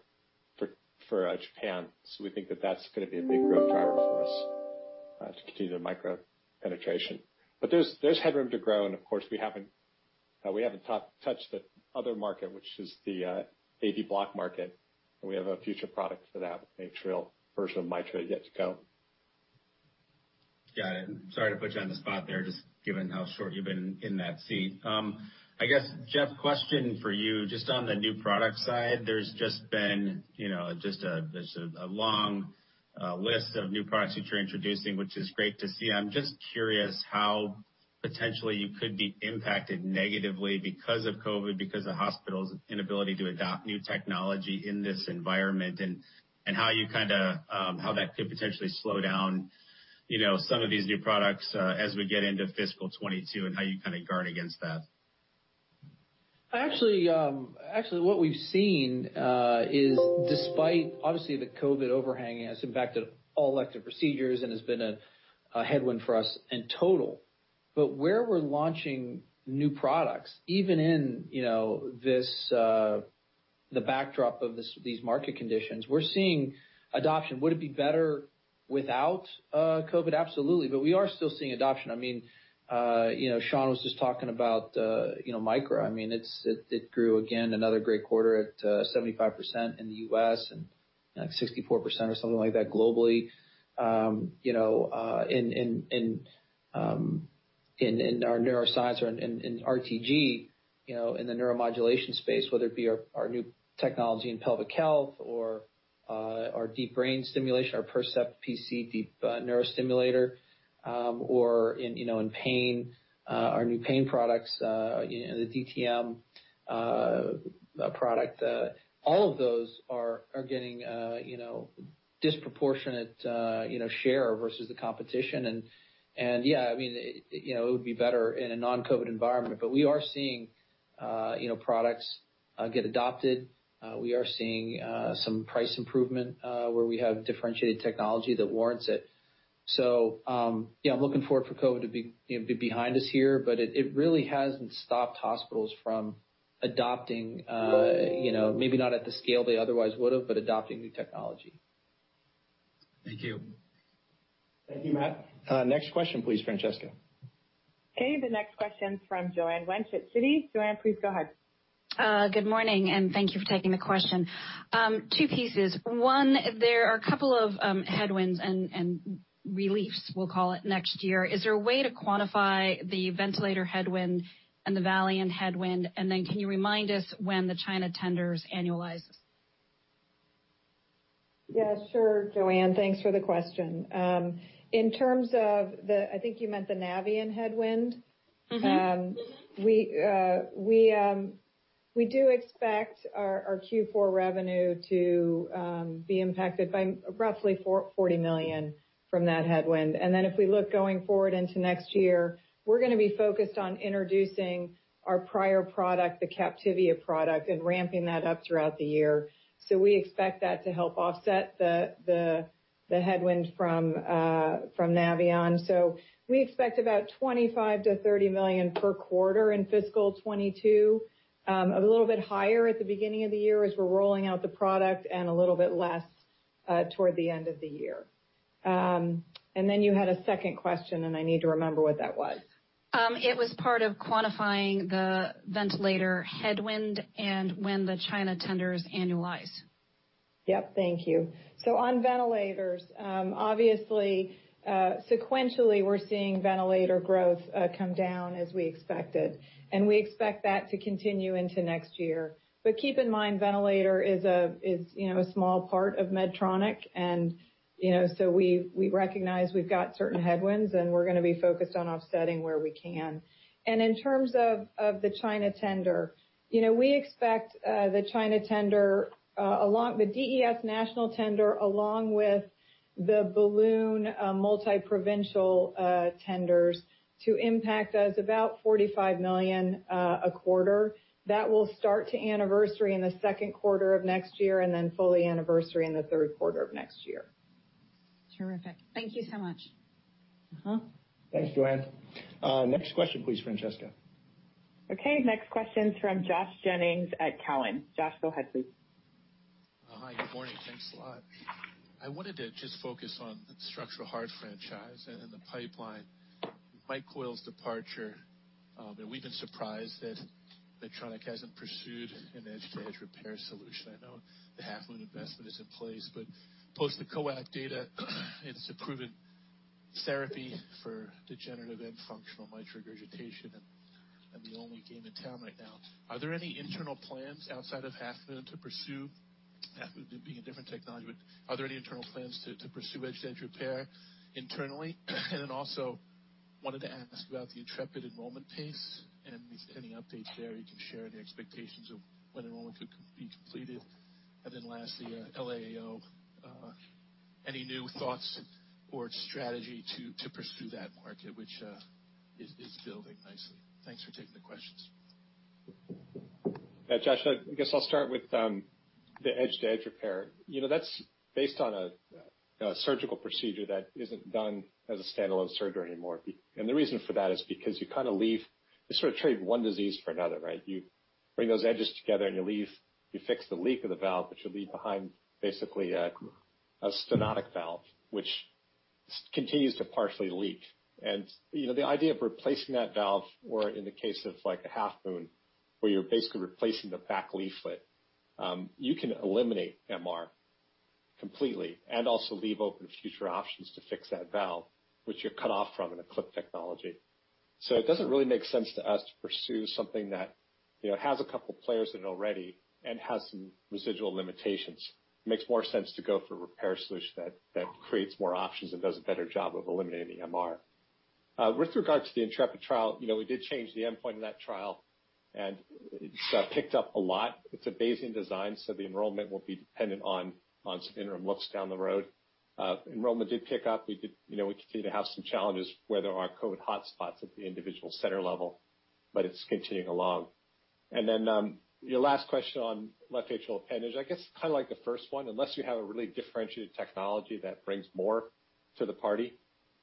Speaker 6: for Japan. We think that that's going to be a big growth driver for us to continue the Micra penetration. There's headroom to grow, and of course, we haven't touched the other market, which is the AV block market, and we have a future product for that, the atrial version of Micra yet to go.
Speaker 14: Got it. Sorry to put you on the spot there, just given how short you've been in that seat. I guess, Geoff, question for you, just on the new product side, there's just been a long list of new products that you're introducing, which is great to see. I'm just curious how potentially you could be impacted negatively because of COVID, because of hospitals' inability to adopt new technology in this environment, and how that could potentially slow down some of these new products as we get into fiscal 2022, and how you guard against that.
Speaker 2: Actually, what we've seen is despite, obviously, the COVID overhang, it has impacted all elective procedures and has been a headwind for us in total. Where we're launching new products, even in the backdrop of these market conditions, we're seeing adoption. Would it be better without COVID? Absolutely. We are still seeing adoption. Sean was just talking about Micra. It grew again, another great quarter at 75% in the U.S. and 64% or something like that globally. In our Neuroscience or in RTG, in the neuromodulation space, whether it be our new technology in pelvic health or our deep brain stimulation, our Percept PC deep neurostimulator, or in pain, our new pain products, the DTM product. All of those are getting disproportionate share versus the competition. Yeah, it would be better in a non-COVID environment. We are seeing products get adopted. We are seeing some price improvement where we have differentiated technology that warrants it. I'm looking forward for COVID to be behind us here, but it really hasn't stopped hospitals from adopting, maybe not at the scale they otherwise would have, but adopting new technology.
Speaker 14: Thank you.
Speaker 1: Thank you, Matt. Next question please, Francesca.
Speaker 4: Okay, the next question's from Joanne Wuensch at Citi. Joanne, please go ahead.
Speaker 15: Good morning. Thank you for taking the question. Two pieces. One, there are a couple of headwinds and reliefs, we'll call it, next year. Is there a way to quantify the ventilator headwind and the Valiant headwind? Can you remind us when the China tenders annualize?
Speaker 3: Yeah, sure, Joanne. Thanks for the question. In terms of, I think you meant the Navion headwind. We do expect our Q4 revenue to be impacted by roughly $40 million from that headwind. If we look going forward into next year, we're going to be focused on introducing our prior product, the Captivia product, and ramping that up throughout the year. We expect that to help offset the headwind from Navion. We expect about $25 million-$30 million per quarter in fiscal 2022. A little bit higher at the beginning of the year as we're rolling out the product and a little bit less. Toward the end of the year. You had a second question, and I need to remember what that was.
Speaker 15: It was part of quantifying the ventilator headwind and when the China tenders annualize.
Speaker 3: Yep. Thank you. On ventilators, obviously, sequentially, we're seeing ventilator growth come down as we expected. We expect that to continue into next year. Keep in mind, ventilator is a small part of Medtronic, and so we recognize we've got certain headwinds, and we're going to be focused on offsetting where we can. In terms of the China tender, we expect the China tender, the DES national tender, along with the balloon multi-provincial tenders to impact us about $45 million a quarter. That will start to anniversary in the second quarter of next year, and then fully anniversary in the third quarter of next year.
Speaker 15: Terrific. Thank you so much.
Speaker 1: Thanks, Joanne. Next question, please, Francesca.
Speaker 4: Okay. Next question's from Josh Jennings at Cowen. Josh, go ahead, please.
Speaker 16: Hi, good morning. Thanks a lot. I wanted to just focus on the structural heart franchise and the pipeline. Mike Coyle's departure, that we've been surprised that Medtronic hasn't pursued an edge-to-edge repair solution. I know the Half Moon investment is in place, but post the COAPT data, it's a proven therapy for degenerative and functional mitral regurgitation and the only game in town right now. Are there any internal plans outside of Half Moon to pursue, Half Moon being a different technology, but are there any internal plans to pursue edge-to-edge repair internally? Also wanted to ask about the Intrepid enrollment pace and any updates there you can share, any expectations of when enrollment could be completed. Lastly, LAAO, any new thoughts or strategy to pursue that market, which is building nicely. Thanks for taking the questions.
Speaker 6: Yeah, Josh, I guess I'll start with the edge-to-edge repair. That's based on a surgical procedure that isn't done as a standalone surgery anymore. The reason for that is because you sort of trade one disease for another, right? You bring those edges together, and you fix the leak of the valve, but you leave behind basically a stenotic valve, which continues to partially leak. The idea of replacing that valve or in the case of a Half Moon, where you're basically replacing the back leaflet, you can eliminate MR completely and also leave open future options to fix that valve, which you're cut off from in a clip technology. It doesn't really make sense to us to pursue something that has a couple of players in it already and has some residual limitations. It makes more sense to go for a repair solution that creates more options and does a better job of eliminating the MR. With regards to the Intrepid trial, we did change the endpoint in that trial. It's picked up a lot. It's a Bayesian design. The enrollment will be dependent on some interim looks down the road. Enrollment did pick up. We continue to have some challenges where there are COVID hotspots at the individual center level. It's continuing along. Your last question on left atrial appendage, I guess kind of like the first one, unless you have a really differentiated technology that brings more to the party,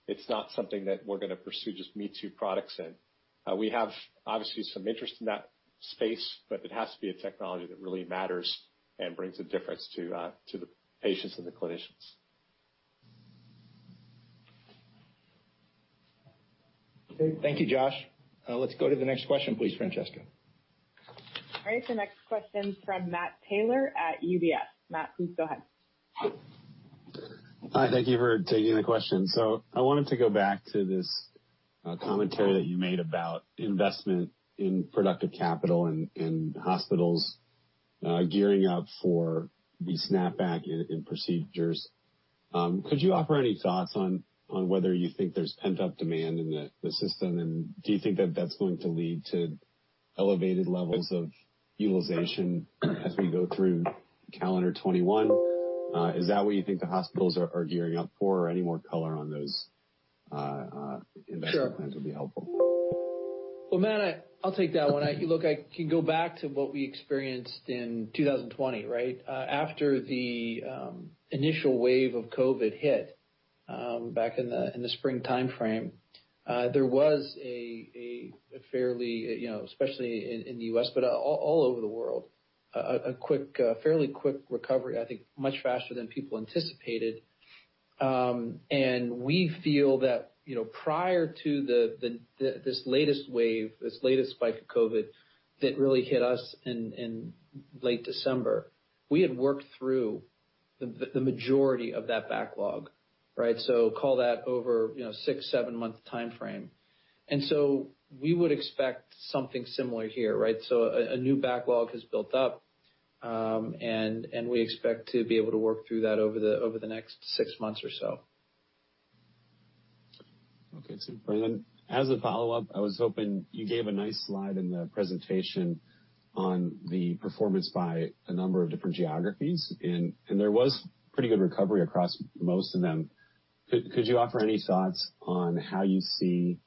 Speaker 6: it's not something that we're going to pursue just me-too products in. We have, obviously, some interest in that space, but it has to be a technology that really matters and brings a difference to the patients and the clinicians.
Speaker 1: Okay. Thank you, Josh. Let's go to the next question, please, Francesca.
Speaker 4: All right. The next question's from Matt Taylor at UBS. Matt, please go ahead.
Speaker 17: Hi. Thank you for taking the question. I wanted to go back to this commentary that you made about investment in productive capital and hospitals gearing up for the snapback in procedures. Could you offer any thoughts on whether you think there's pent-up demand in the system, and do you think that that's going to lead to elevated levels of utilization as we go through calendar 2021? Is that what you think the hospitals are gearing up for, or any more color on those investment plans?
Speaker 2: Sure.
Speaker 17: Would be helpful.
Speaker 2: Well, Matt, I'll take that one. Look, I can go back to what we experienced in 2020, right? After the initial wave of COVID hit back in the spring timeframe, there was a fairly, especially in the U.S., but all over the world, a fairly quick recovery, I think much faster than people anticipated. We feel that prior to this latest wave, this latest spike of COVID that really hit us in late December, we had worked through the majority of that backlog, right? Call that over six, seven-month timeframe. We would expect something similar here, right? A new backlog has built up, and we expect to be able to work through that over the next six months or so.
Speaker 17: Okay. As a follow-up, I was hoping you gave a nice slide in the presentation on the performance by a number of different geographies, and there was pretty good recovery across most of them. Could you offer any thoughts on how you see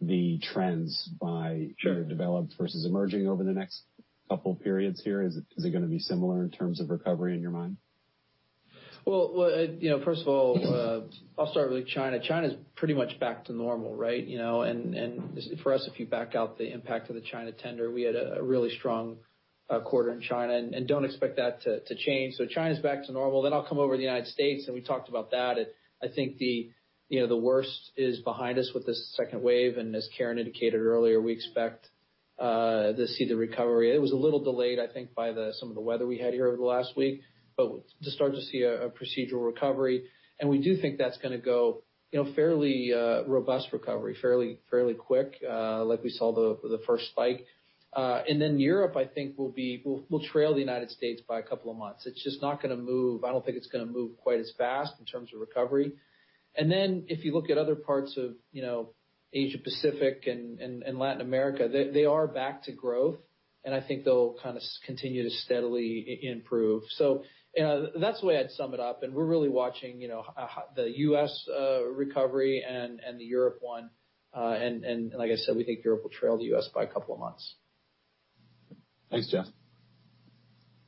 Speaker 17: the trends by-
Speaker 2: Sure.
Speaker 17: Developed versus emerging over the next couple of periods here? Is it going to be similar in terms of recovery in your mind?
Speaker 2: Well, first of all, I'll start with China. China's pretty much back to normal. For us, if you back out the impact of the China tender, we had a really strong quarter in China, and don't expect that to change. China's back to normal. I'll come over to the U.S., and we talked about that. I think the worst is behind us with this second wave, and as Karen indicated earlier, we expect to see the recovery. It was a little delayed, I think, by some of the weather we had here over the last week, but to start to see a procedural recovery, and we do think that's going to go fairly robust recovery, fairly quick, like we saw the first spike. Europe, I think, will trail the U.S. by a couple of months. It's just not going to move. I don't think it's going to move quite as fast in terms of recovery. If you look at other parts of Asia Pacific and Latin America, they are back to growth, and I think they'll continue to steadily improve. That's the way I'd sum it up, and we're really watching the U.S. recovery and the Europe one. Like I said, we think Europe will trail the U.S. by a couple of months.
Speaker 17: Thanks, Geoff.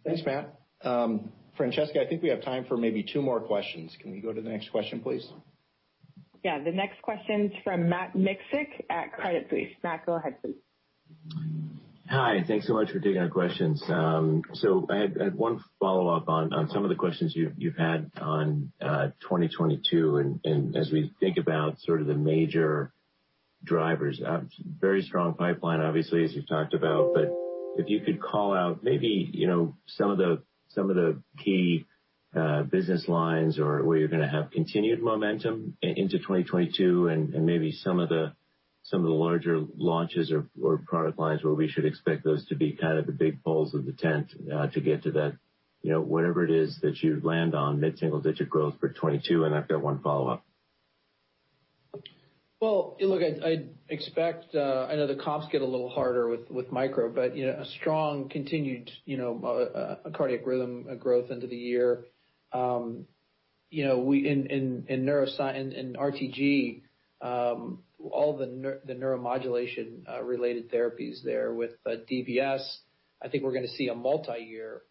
Speaker 1: Thanks, Matt. Francesca, I think we have time for maybe two more questions. Can we go to the next question, please?
Speaker 4: Yeah. The next question's from Matt Miksic at Credit Suisse. Matt, go ahead please.
Speaker 18: Hi, thanks so much for taking our questions. I had one follow-up on some of the questions you've had on 2022, and as we think about sort of the major drivers. Very strong pipeline, obviously, as you've talked about. If you could call out maybe some of the key business lines or where you're going to have continued momentum into 2022 and maybe some of the larger launches or product lines where we should expect those to be kind of the big poles of the tent to get to that, whatever it is that you land on mid-single digit growth for 2022. I've got one follow-up.
Speaker 2: Well, look, I'd expect I know the comps get a little harder with Micra, a strong continued Cardiac Rhythm growth into the year. In RTG, all the neuromodulation related therapies there with DBS, I think we're going to see a multi-year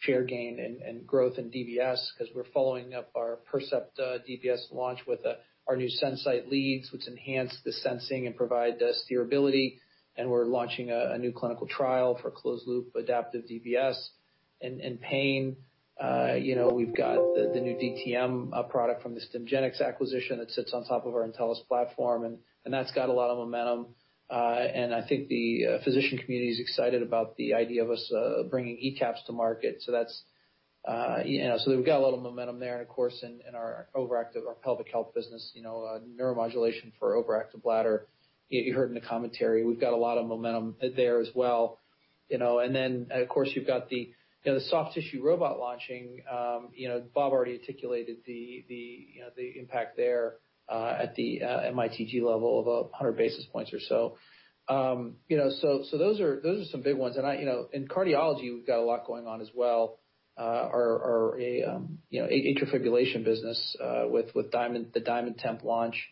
Speaker 2: share gain and growth in DBS because we're following up our Percept PC DBS launch with our new SenSight leads, which enhance the sensing and provide steerability, we're launching a new clinical trial for closed loop adaptive DBS. In pain, we've got the new DTM product from the Stimgenics acquisition that sits on top of our Intellis platform, that's got a lot of momentum. I think the physician community is excited about the idea of us bringing ECAPs to market. We've got a lot of momentum there. Of course, in our overactive or pelvic health business, neuromodulation for overactive bladder. You heard in the commentary, we've got a lot of momentum there as well. Of course, you've got the soft tissue robot launching. Bob already articulated the impact there at the MITG level of 100 basis points or so. Those are some big ones. In cardiology, we've got a lot going on as well. Our atrial fibrillation business with the DiamondTemp launch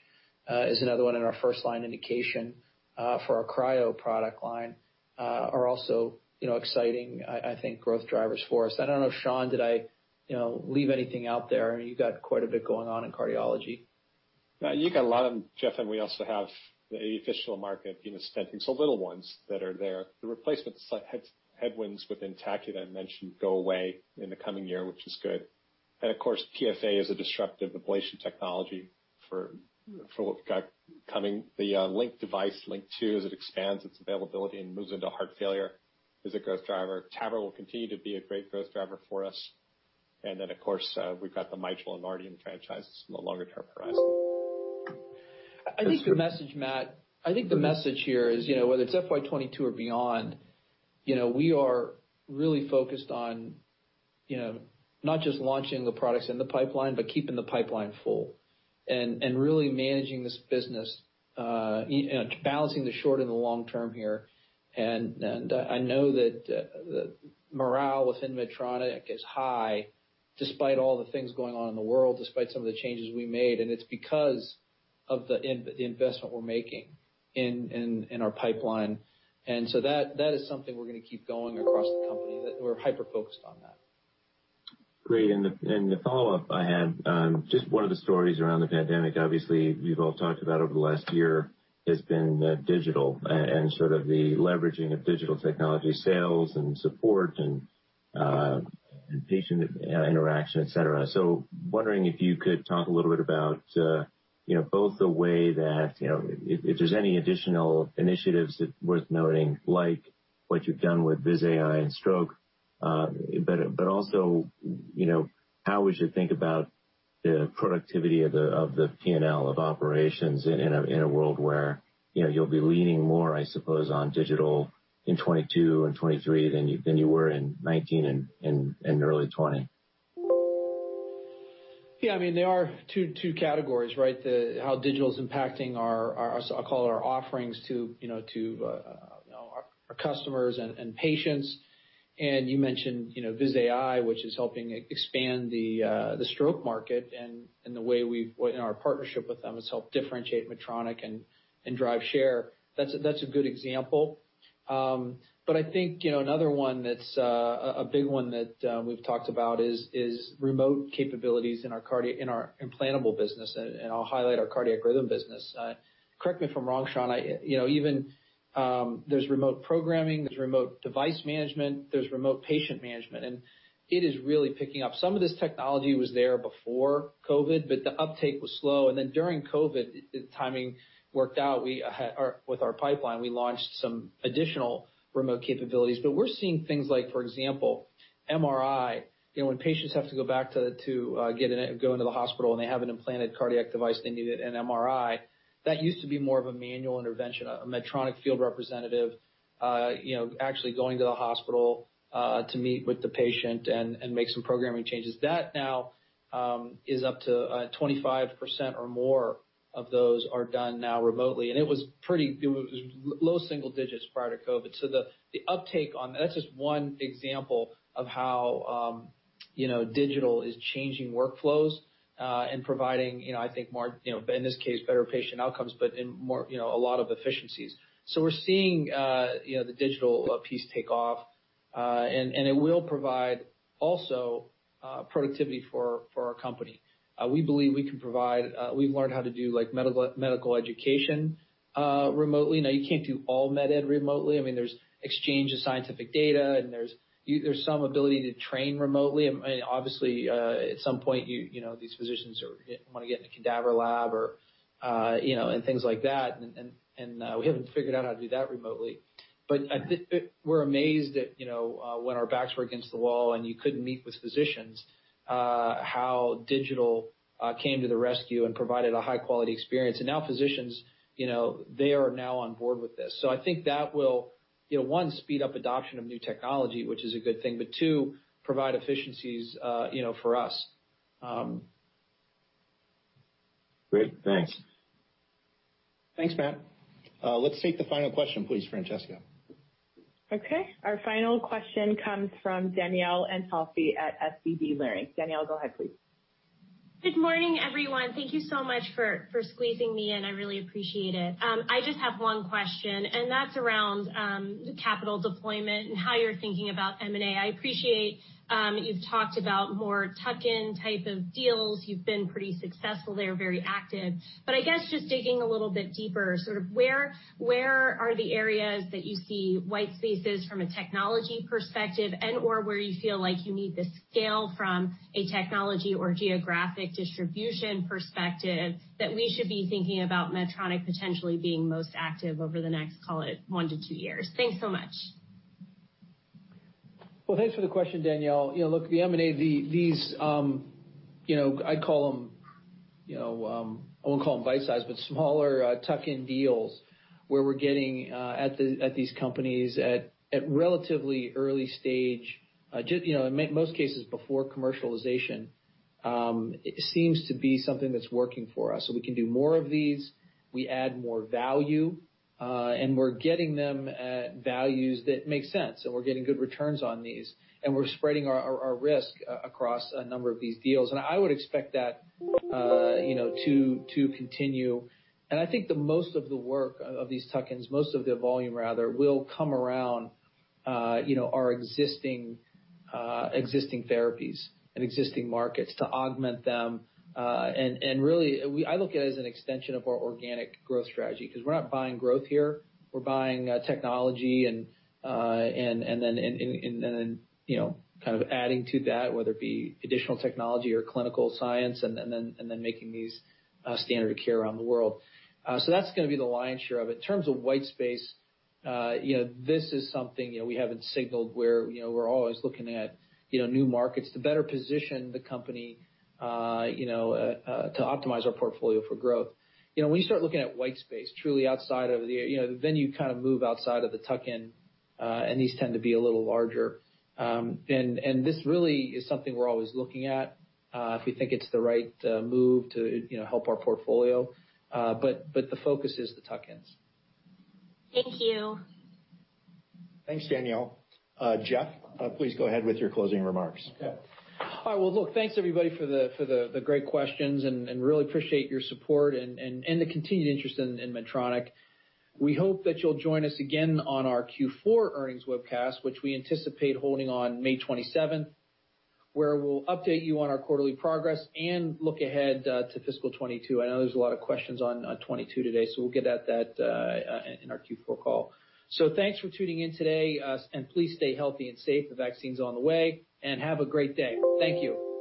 Speaker 2: is another one in our first line indication for our cryo product line are also exciting, I think growth drivers for us. I don't know, Sean, did I leave anything out there? I mean, you got quite a bit going on in cardiology.
Speaker 6: No, you got a lot of them, Geoff. We also have the official market stenting. Little ones that are there. The replacement headwinds within TAVI that I mentioned go away in the coming year, which is good. Of course, PFA is a disruptive ablation technology for what we've got coming. The LINQ II device, as it expands its availability and moves into heart failure is a growth driver. TAVR will continue to be a great growth driver for us. Of course, we've got the Mitral and RDN franchises in the longer-term for us.
Speaker 2: I think the message, Matt, the message here is, whether it's FY 2022 or beyond, we are really focused on not just launching the products in the pipeline, but keeping the pipeline full and really managing this business, balancing the short and the long-term here. I know that morale within Medtronic is high despite all the things going on in the world, despite some of the changes we made. It's because of the investment we're making in our pipeline. That is something we're going to keep going across the company, that we're hyper-focused on that.
Speaker 18: Great. The follow-up I had, just one of the stories around the pandemic obviously you've all talked about over the last year has been digital and sort of the leveraging of digital technology sales and support and patient interaction, et cetera. Wondering if you could talk a little bit about both the way that if there's any additional initiatives worth noting, like what you've done with Viz.ai and stroke. Also, how we should think about the productivity of the P&L of operations in a world where you'll be leaning more, I suppose, on digital in 2022 and 2023 than you were in 2019 and early 2020?
Speaker 2: Yeah, there are two categories, right? How digital is impacting our, I'll call it our offerings to our customers and patients. You mentioned Viz.ai, which is helping expand the stroke market and the way our partnership with them has helped differentiate Medtronic and drive share. That's a good example. I think, another one that's a big one that we've talked about is remote capabilities in our implantable business, and I'll highlight our Cardiac Rhythm business. Correct me if I'm wrong, Sean, there's remote programming, there's remote device management, there's remote patient management, and it is really picking up. Some of this technology was there before COVID, but the uptake was slow. During COVID, the timing worked out. With our pipeline, we launched some additional remote capabilities. We're seeing things like, for example, MRI, when patients have to go back to go into the hospital and they have an implanted cardiac device, they need an MRI. That used to be more of a manual intervention, a Medtronic field representative actually going to the hospital to meet with the patient and make some programming changes. That now is up to 25% or more of those are done now remotely, and it was low single digits prior to COVID. The uptake on that's just one example of how digital is changing workflows, and providing, I think, in this case, better patient outcomes, but in a lot of efficiencies. We're seeing the digital piece take off. It will provide also productivity for our company. We've learned how to do medical education remotely. Now, you can't do all med ed remotely. There's exchange of scientific data, and there's some ability to train remotely. Obviously, at some point, these physicians want to get in a cadaver lab and things like that, and we haven't figured out how to do that remotely. We're amazed at when our backs were against the wall and you couldn't meet with physicians, how digital came to the rescue and provided a high-quality experience. Now physicians, they are now on board with this. I think that will, one, speed up adoption of new technology, which is a good thing, but two, provide efficiencies for us.
Speaker 18: Great. Thanks.
Speaker 2: Thanks, Matt.
Speaker 1: Let's take the final question, please, Francesca.
Speaker 4: Okay. Our final question comes from Danielle Antalffy at SVB Leerink. Danielle, go ahead, please.
Speaker 19: Good morning, everyone. Thank you so much for squeezing me in. I really appreciate it. I just have one question. That's around the capital deployment and how you're thinking about M&A. I appreciate you've talked about more tuck-in type of deals. You've been pretty successful there, very active. I guess just digging a little bit deeper, sort of where are the areas that you see white spaces from a technology perspective and/or where you feel like you need to scale from a technology or geographic distribution perspective that we should be thinking about Medtronic potentially being most active over the next, call it one to two years? Thanks so much.
Speaker 2: Well, thanks for the question, Danielle. Look, the M&A, I won't call them bite-size, but smaller tuck-in deals where we're getting at these companies at relatively early stage, in most cases before commercialization, seems to be something that's working for us. So we can do more of these. We add more value. And we're getting them at values that make sense, and we're getting good returns on these. And we're spreading our risk across a number of these deals. And I would expect that to continue. And I think that most of the work of these tuck-ins, most of the volume rather, will come around our existing therapies and existing markets to augment them. And really, I look at it as an extension of our organic growth strategy because we're not buying growth here. We're buying technology and then kind of adding to that, whether it be additional technology or clinical science, and then making these standard of care around the world. That's going to be the lion's share of it. In terms of white space, this is something we haven't signaled where we're always looking at new markets to better position the company to optimize our portfolio for growth. When you start looking at white space, then you kind of move outside of the tuck-in, and these tend to be a little larger. This really is something we're always looking at if we think it's the right move to help our portfolio. The focus is the tuck-ins.
Speaker 19: Thank you.
Speaker 1: Thanks, Danielle. Geoff, please go ahead with your closing remarks.
Speaker 2: Okay. All right. Look, thanks, everybody, for the great questions, and really appreciate your support and the continued interest in Medtronic. We hope that you'll join us again on our Q4 earnings webcast, which we anticipate holding on May 27th, where we'll update you on our quarterly progress and look ahead to fiscal 2022. I know there's a lot of questions on 2022 today, we'll get at that in our Q4 call. Thanks for tuning in today, and please stay healthy and safe. The vaccine's on the way. Have a great day. Thank you.